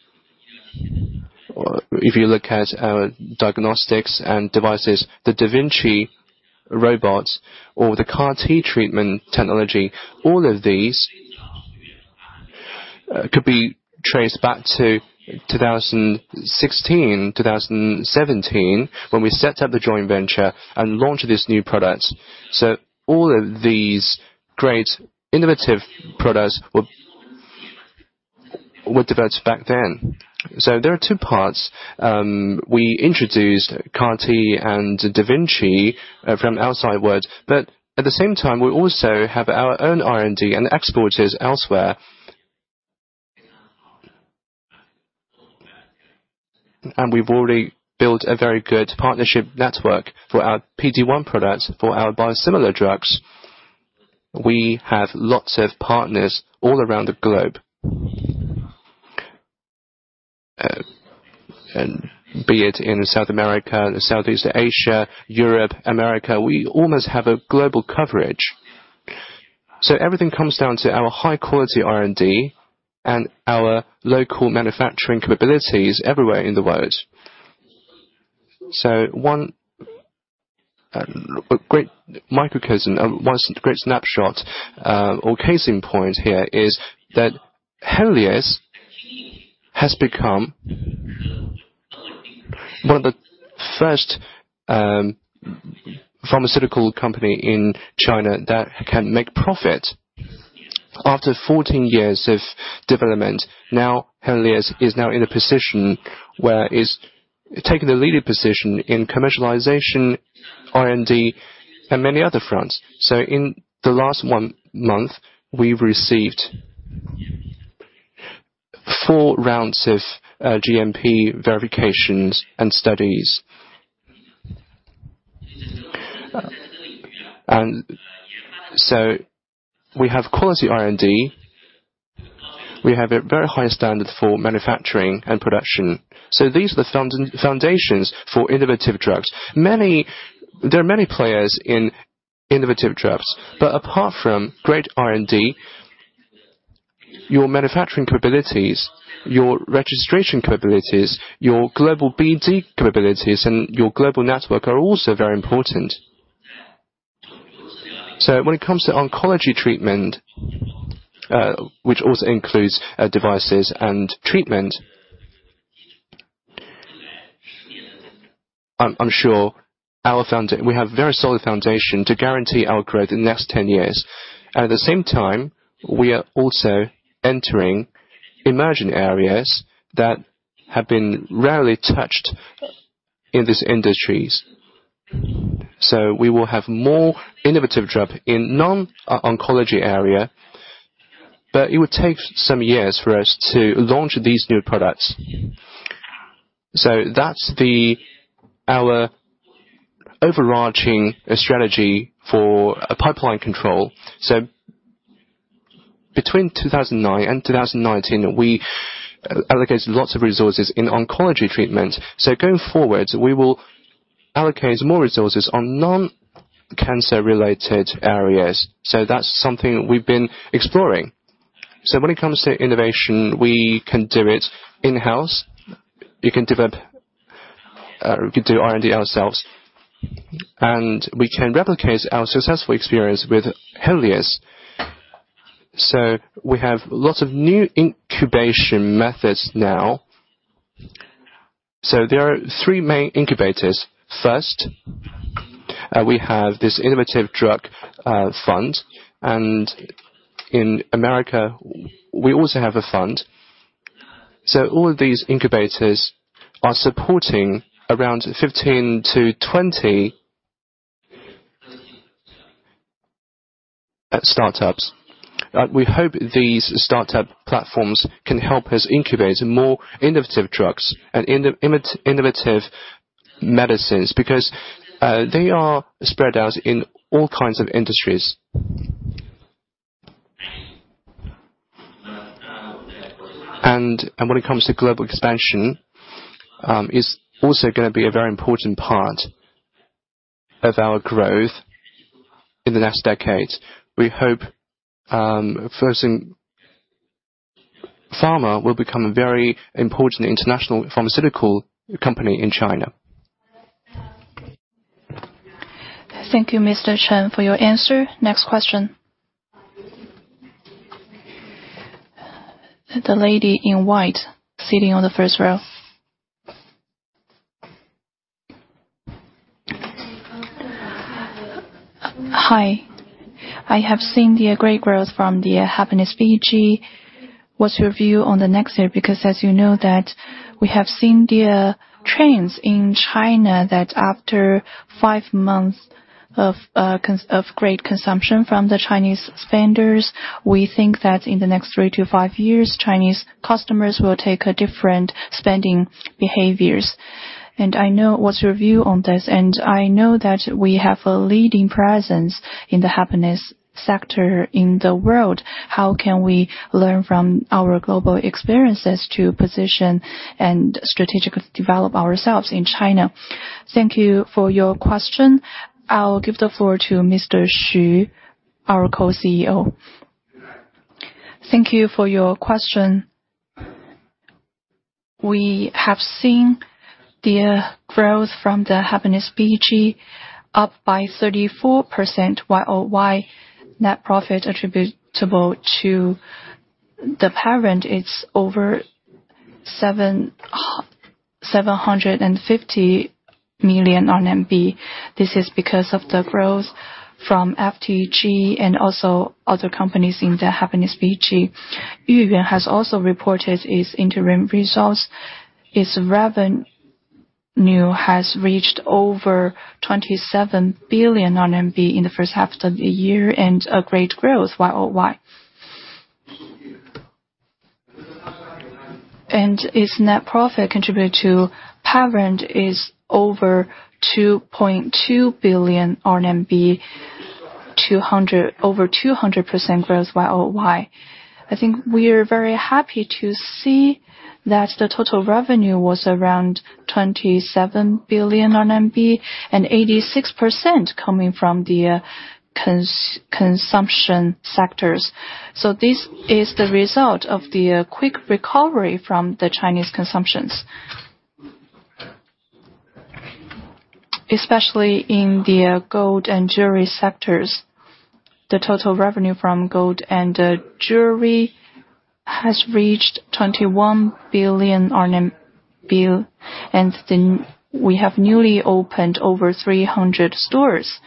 Speaker 2: Or if you look at our diagnostics and devices, the da Vinci robots or the CAR-T treatment technology, all of these could be traced back to 2016, 2017, when we set up the joint venture and launched these new products. So all of these great innovative products were, were developed back then. So there are two parts. We introduced CAR-T and da Vinci from outside world, but at the same time, we also have our own R&D and exporters elsewhere. We've already built a very good partnership network for our PD-1 products, for our biosimilar drugs. We have lots of partners all around the globe. And be it in South America, Southeast Asia, Europe, America, we almost have a global coverage. So everything comes down to our high-quality R&D and our local manufacturing capabilities everywhere in the world. So one great microcosm, one great snapshot, or case in point here, is that Henlius has become one of the first pharmaceutical company in China that can make profit. After 14 years of development, now, Henlius is now in a position where it's taking the leading position in commercialization, R&D, and many other fronts. So in the last one month, we've received four rounds of GMP verifications and studies. And so we have quality R&D. We have a very high standard for manufacturing and production. So these are the foundations for innovative drugs. There are many players in innovative drugs, but apart from great R&D, your manufacturing capabilities, your registration capabilities, your global BD capabilities, and your global network are also very important. So when it comes to oncology treatment, which also includes devices and treatment, I'm sure we have very solid foundation to guarantee our growth in the next 10 years. And at the same time, we are also entering emerging areas that have been rarely touched in these industries. So we will have more innovative drug in non-oncology area, but it would take some years for us to launch these new products. So that's our overarching strategy for a pipeline control. Between 2009 and 2019, we allocated lots of resources in oncology treatment. Going forward, we will allocate more resources on non-cancer related areas. That's something we've been exploring. When it comes to innovation, we can do it in-house, we can develop, we can do R&D ourselves, and we can replicate our successful experience with Henlius. We have lots of new incubation methods now. There are three main incubators. First, we have this innovative drug fund, and in America, we also have a fund. All of these incubators are supporting around 15-20 startups. We hope these startup platforms can help us incubate more innovative drugs and innovative medicines, because they are spread out in all kinds of industries. And when it comes to global expansion, it's also gonna be a very important part of our growth in the next decade. We hope Fosun Pharma will become a very important international pharmaceutical company in China.
Speaker 3: Thank you, Mr. Chen, for your answer. Next question. The lady in white sitting on the first row. Hi. I have seen the great growth from the Happiness BG. What's your view on the next year? Because as you know that we have seen the trends in China, that after five months of great consumption from the Chinese spenders, we think that in the next 3-5 years, Chinese customers will take a different spending behaviors. And I know... What's your view on this? And I know that we have a leading presence in the happiness sector in the world. How can we learn from our global experiences to position and strategically develop ourselves in China? Thank you for your question. I'll give the floor to Mr. Xu, our Co-CEO. Thank you for your question. We have seen the growth from the Happiness BG up by 34% Y-o-Y. Net profit attributable to the parent, it's over 750 million RMB. This is because of the growth from FTG and also other companies in the Happiness BG. Yuyuan has also reported its interim results. Its revenue has reached over 27 billion RMB in the first half of the year, and a great growth Y-o-Y. And its net profit contributed to parent is over 2.2 billion RMB, over 200% growth Y-o-Y. I think we are very happy to see that the total revenue was around 27 billion RMB, and 86% coming from the consumption sectors. So this is the result of the quick recovery from the Chinese consumption. Especially in the gold and jewelry sectors. The total revenue from gold and jewelry has reached 21 billion RMB, and then we have newly opened over 300 stores.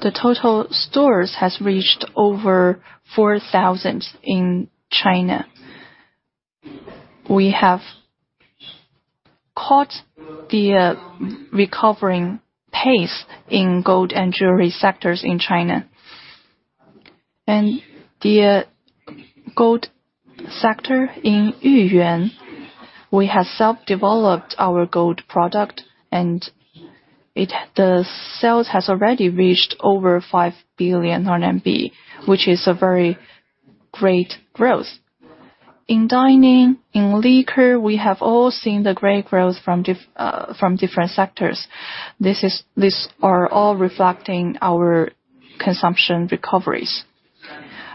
Speaker 3: The total stores has reached over 4,000 in China. We have caught the recovering pace in gold and jewelry sectors in China. The gold sector in Yuyuan, we have self-developed our gold product, and it. The sales has already reached over 5 billion RMB, which is a very great growth. In dining, in liquor, we have all seen the great growth from different sectors. This is. These are all reflecting our consumption recoveries.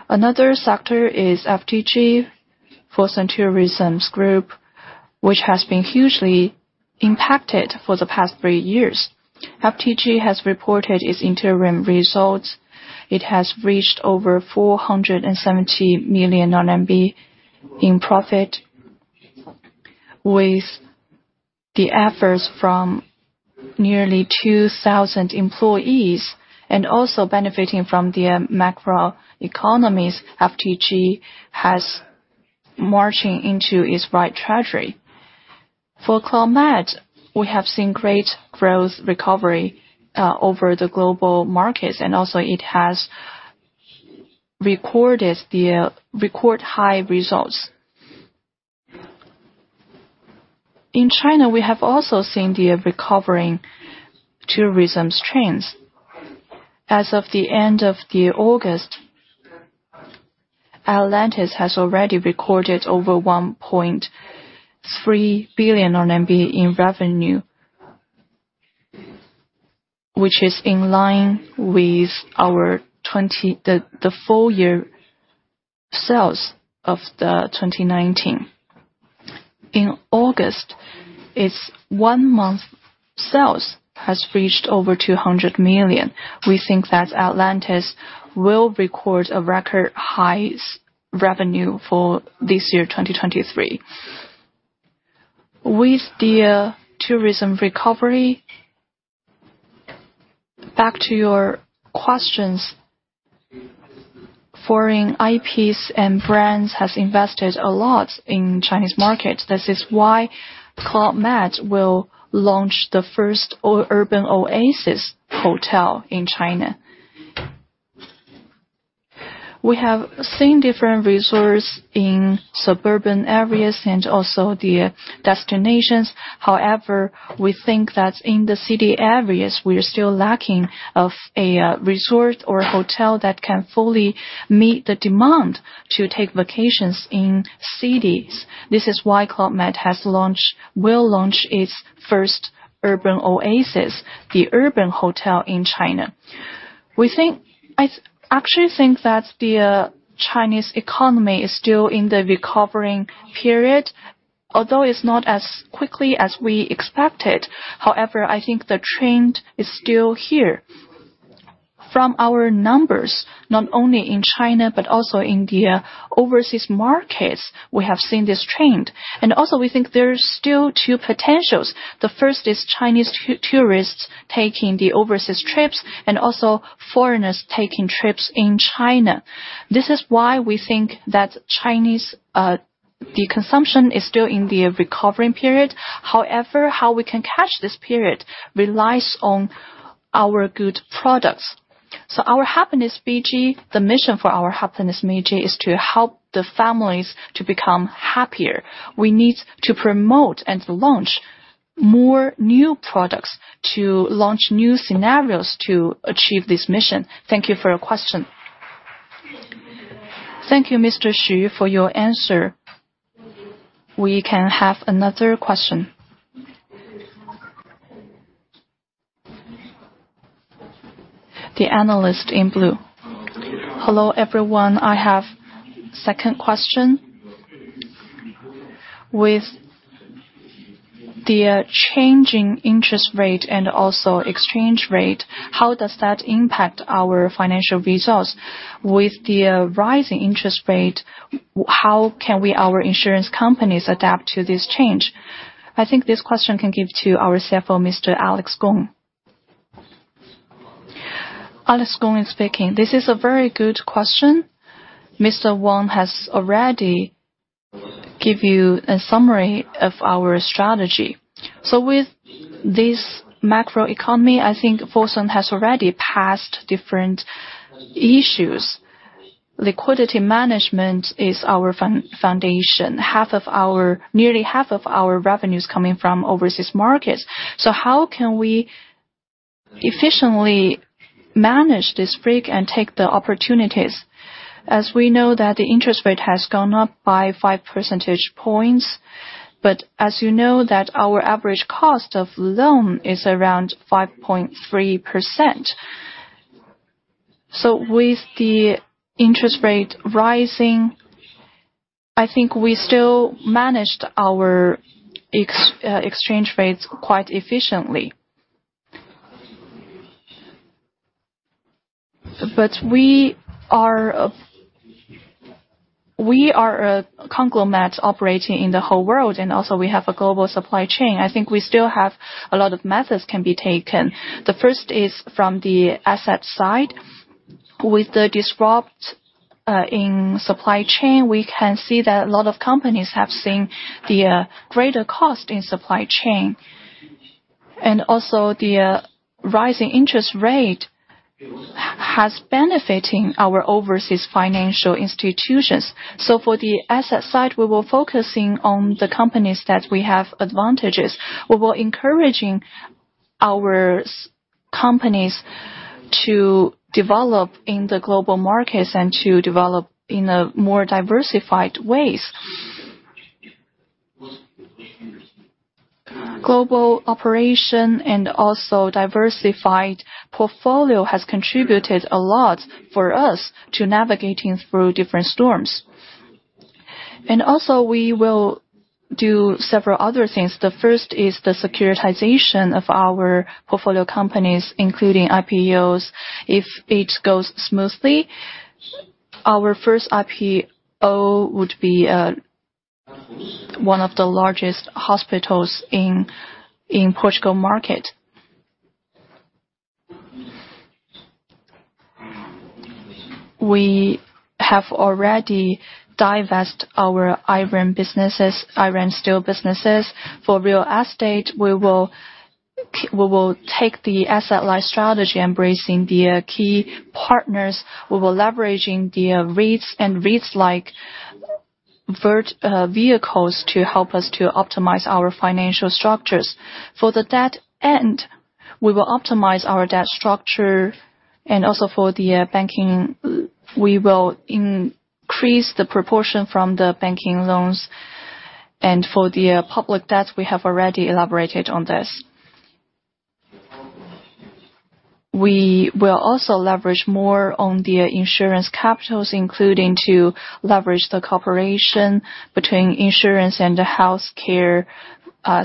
Speaker 3: Another sector is FTG, Fosun Tourism Group, which has been hugely impacted for the past three years. FTG has reported its interim results. It has reached over 470 million RMB in profit, with the efforts from nearly 2,000 employees, and also benefiting from the macro economies, FTG has marching into its right treasury. For Club Med, we have seen great growth recovery over the global markets, and also it has recorded the record high results. In China, we have also seen the recovering tourism trends. As of the end of August, Atlantis has already recorded over 1.3 billion RMB in revenue, which is in line with our 2019 full year sales. In August, its one-month sales has reached over 200 million. We think that Atlantis will record a record high revenue for this year, 2023. With the tourism recovery, back to your questions, foreign IPs and brands has invested a lot in Chinese markets. This is why Club Med will launch the first Urban Oasis hotel in China. We have seen different resources in suburban areas and also the destinations. However, we think that in the city areas, we are still lacking of a resort or hotel that can fully meet the demand to take vacations in cities. This is why Club Med will launch its first Urban Oasis, the urban hotel in China. I actually think that the Chinese economy is still in the recovering period, although it's not as quickly as we expected. However, I think the trend is still here. From our numbers, not only in China but also in the overseas markets, we have seen this trend. And also we think there's still two potentials. The first is Chinese tourists taking the overseas trips, and also foreigners taking trips in China. This is why we think that Chinese, the consumption is still in the recovering period. However, how we can catch this period relies on our good products. So our Happiness BG, the mission for our Happiness BG is to help the families to become happier. We need to promote and to launch more new products, to launch new scenarios to achieve this mission. Thank you for your question. Thank you, Mr. Xu, for your answer. We can have another question. The analyst in blue. Hello, everyone. I have second question. With the changing interest rate and also exchange rate, how does that impact our financial results? With the rising interest rate, how can we, our insurance companies, adapt to this change? I think this question can give to our CFO, Mr. Alex Gong. Alex Gong speaking. This is a very good question. Mr. Wang has already give you a summary of our strategy. So with this macroeconomy, I think Fosun has already passed different issues. Liquidity management is our foundation. Nearly half of our revenues coming from overseas markets. So how can we efficiently manage this risk and take the opportunities? As we know that the interest rate has gone up by 5 percentage points, but as you know that our average cost of loan is around 5.3%. So with the interest rate rising, I think we still managed our exchange rates quite efficiently. But we are a conglomerate operating in the whole world, and also we have a global supply chain. I think we still have a lot of methods can be taken. The first is from the asset side. With the disruption in supply chain, we can see that a lot of companies have seen the greater cost in supply chain. The rising interest rate has benefiting our overseas financial institutions. For the asset side, we were focusing on the companies that we have advantages. We were encouraging our companies to develop in the global markets and to develop in a more diversified ways. Global operation and also diversified portfolio has contributed a lot for us to navigating through different storms. We will do several other things. The first is the securitization of our portfolio companies, including IPOs. If it goes smoothly, our first IPO would be one of the largest hospitals in the Portugal market. We have already divest our iron businesses, iron and steel businesses. For real estate, we will take the asset light strategy, embracing the key partners. We will leveraging the REITs and REITs-like vehicles to help us to optimize our financial structures. For the debt end, we will optimize our debt structure, and also for the banking, we will increase the proportion from the banking loans. For the public debt, we have already elaborated on this. We will also leverage more on the insurance capitals, including to leverage the cooperation between insurance and the healthcare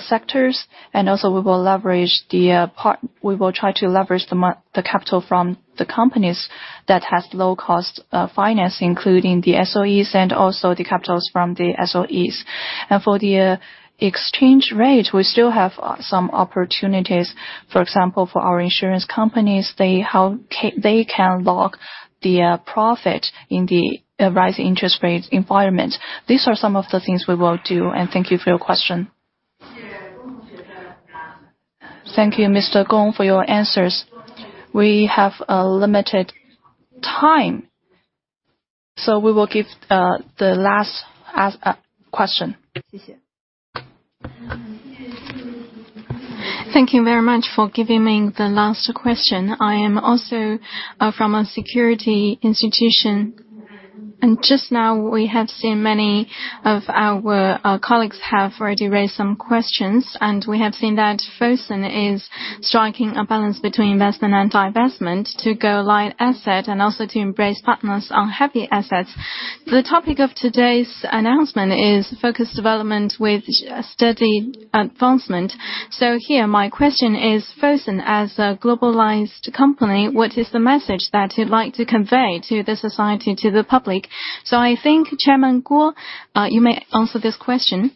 Speaker 3: sectors. Also, we will leverage the part- we will try to leverage the capital from the companies that has low cost finance, including the SOEs and also the capitals from the SOEs. For the exchange rate, we still have some opportunities. For example, for our insurance companies, they can lock the profit in the rising interest rates environment. These are some of the things we will do, and thank you for your question. Thank you, Mr. Gong, for your answers. We have a limited time, so we will give the last question.
Speaker 4: Thank you very much for giving me the last question. I am also from a security institution, and just now we have seen many of our colleagues have already raised some questions, and we have seen that Fosun is striking a balance between investment and divestment to go light asset and also to embrace partners on heavy assets. The topic of today's announcement is focused development with steady advancement. So here, my question is, Fosun, as a globalized company, what is the message that you'd like to convey to the society, to the public? So I think, Chairman Guo, you may answer this question.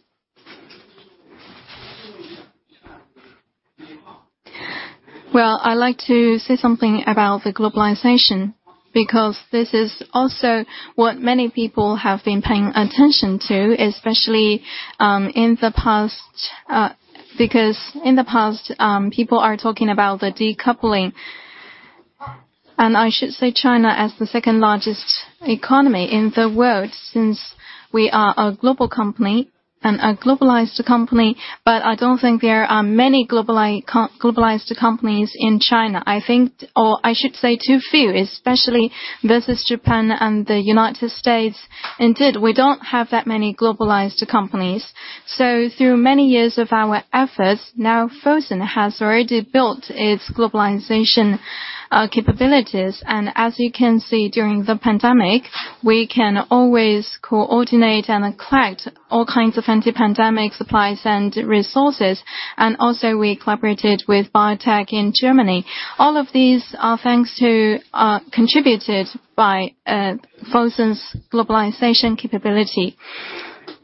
Speaker 4: Well, I'd like to say something about the globalization, because this is also what many people have been paying attention to, especially in the past. Because in the past, people are talking about the decoupling. And I should say China, as the second largest economy in the world, since we are a global company and a globalized company, but I don't think there are many globalized companies in China. I think, or I should say, too few, especially versus Japan and the United States. Indeed, we don't have that many globalized companies. So through many years of our efforts, now Fosun has already built its globalization capabilities. And as you can see, during the pandemic, we can always coordinate and collect all kinds of anti-pandemic supplies and resources. And also, we collaborated with BioNTech in Germany. All of these are thanks to, contributed by, Fosun's globalization capability.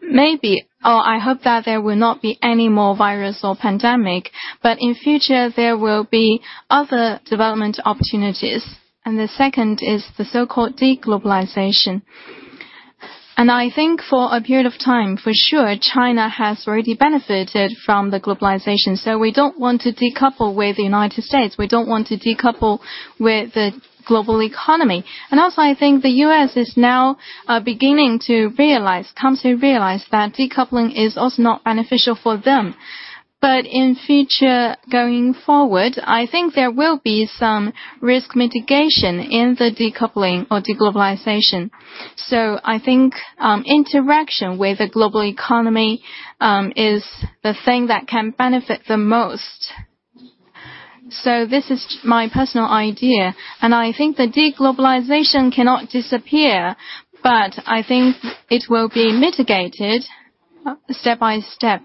Speaker 4: Maybe, or I hope that there will not be any more virus or pandemic, but in future there will be other development opportunities. And the second is the so-called deglobalization. And I think for a period of time, for sure, China has already benefited from the globalization, so we don't want to decouple with the United States. We don't want to decouple with the global economy. And also, I think the U.S. is now beginning to realize, come to realize, that decoupling is also not beneficial for them. But in future, going forward, I think there will be some risk mitigation in the decoupling or deglobalization. So I think interaction with the global economy is the thing that can benefit the most. So this is my personal idea, and I think the deglobalization cannot disappear, but I think it will be mitigated step by step.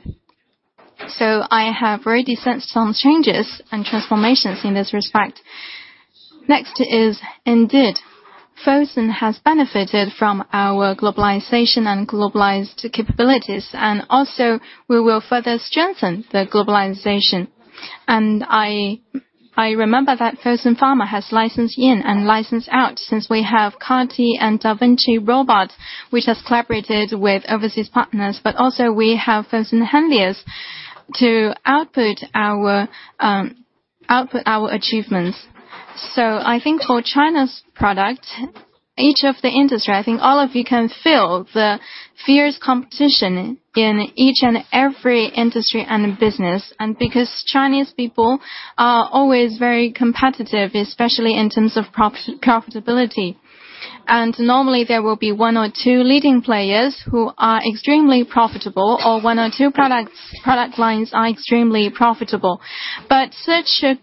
Speaker 4: So I have already sensed some changes and transformations in this respect. Next is, indeed, Fosun has benefited from our globalization and globalized capabilities, and also we will further strengthen the globalization. I remember that Fosun Pharma has licensed in and licensed out since we have CAR-T and da Vinci robot, which has collaborated with overseas partners. But also we have Fosun Henlius to output our achievements. So I think for China's product, each of the industry, I think all of you can feel the fierce competition in each and every industry and in business. And because Chinese people are always very competitive, especially in terms of profitability. And normally, there will be one or two leading players who are extremely profitable, or one or two products, product lines are extremely profitable. But such a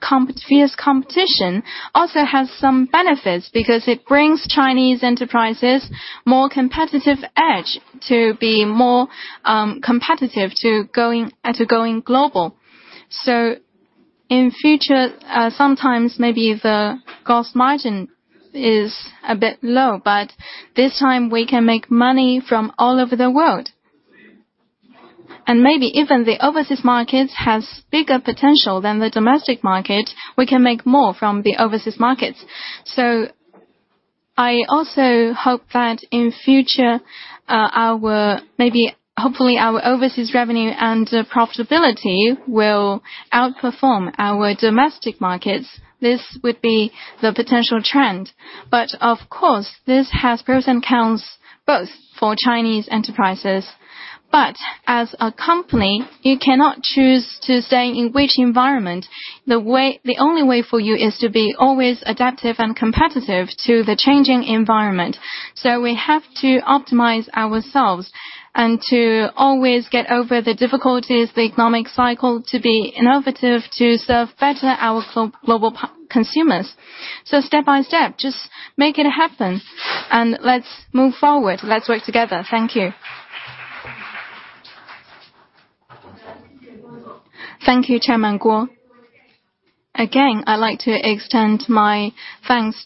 Speaker 4: fierce competition also has some benefits, because it brings Chinese enterprises more competitive edge to be more competitive to going global. So in future, sometimes maybe the gross margin is a bit low, but this time we can make money from all over the world. And maybe even the overseas markets has bigger potential than the domestic market. We can make more from the overseas markets. So I also hope that in future, maybe hopefully, our overseas revenue and profitability will outperform our domestic markets. This would be the potential trend. But of course, this has pros and cons both for Chinese enterprises. But as a company, you cannot choose to stay in which environment. The only way for you is to be always adaptive and competitive to the changing environment. So we have to optimize ourselves and to always get over the difficulties, the economic cycle, to be innovative, to serve better our global consumers. Step by step, just make it happen, and let's move forward. Let's work together. Thank you.
Speaker 3: Thank you, Chairman Guo. Again, I'd like to extend my thanks-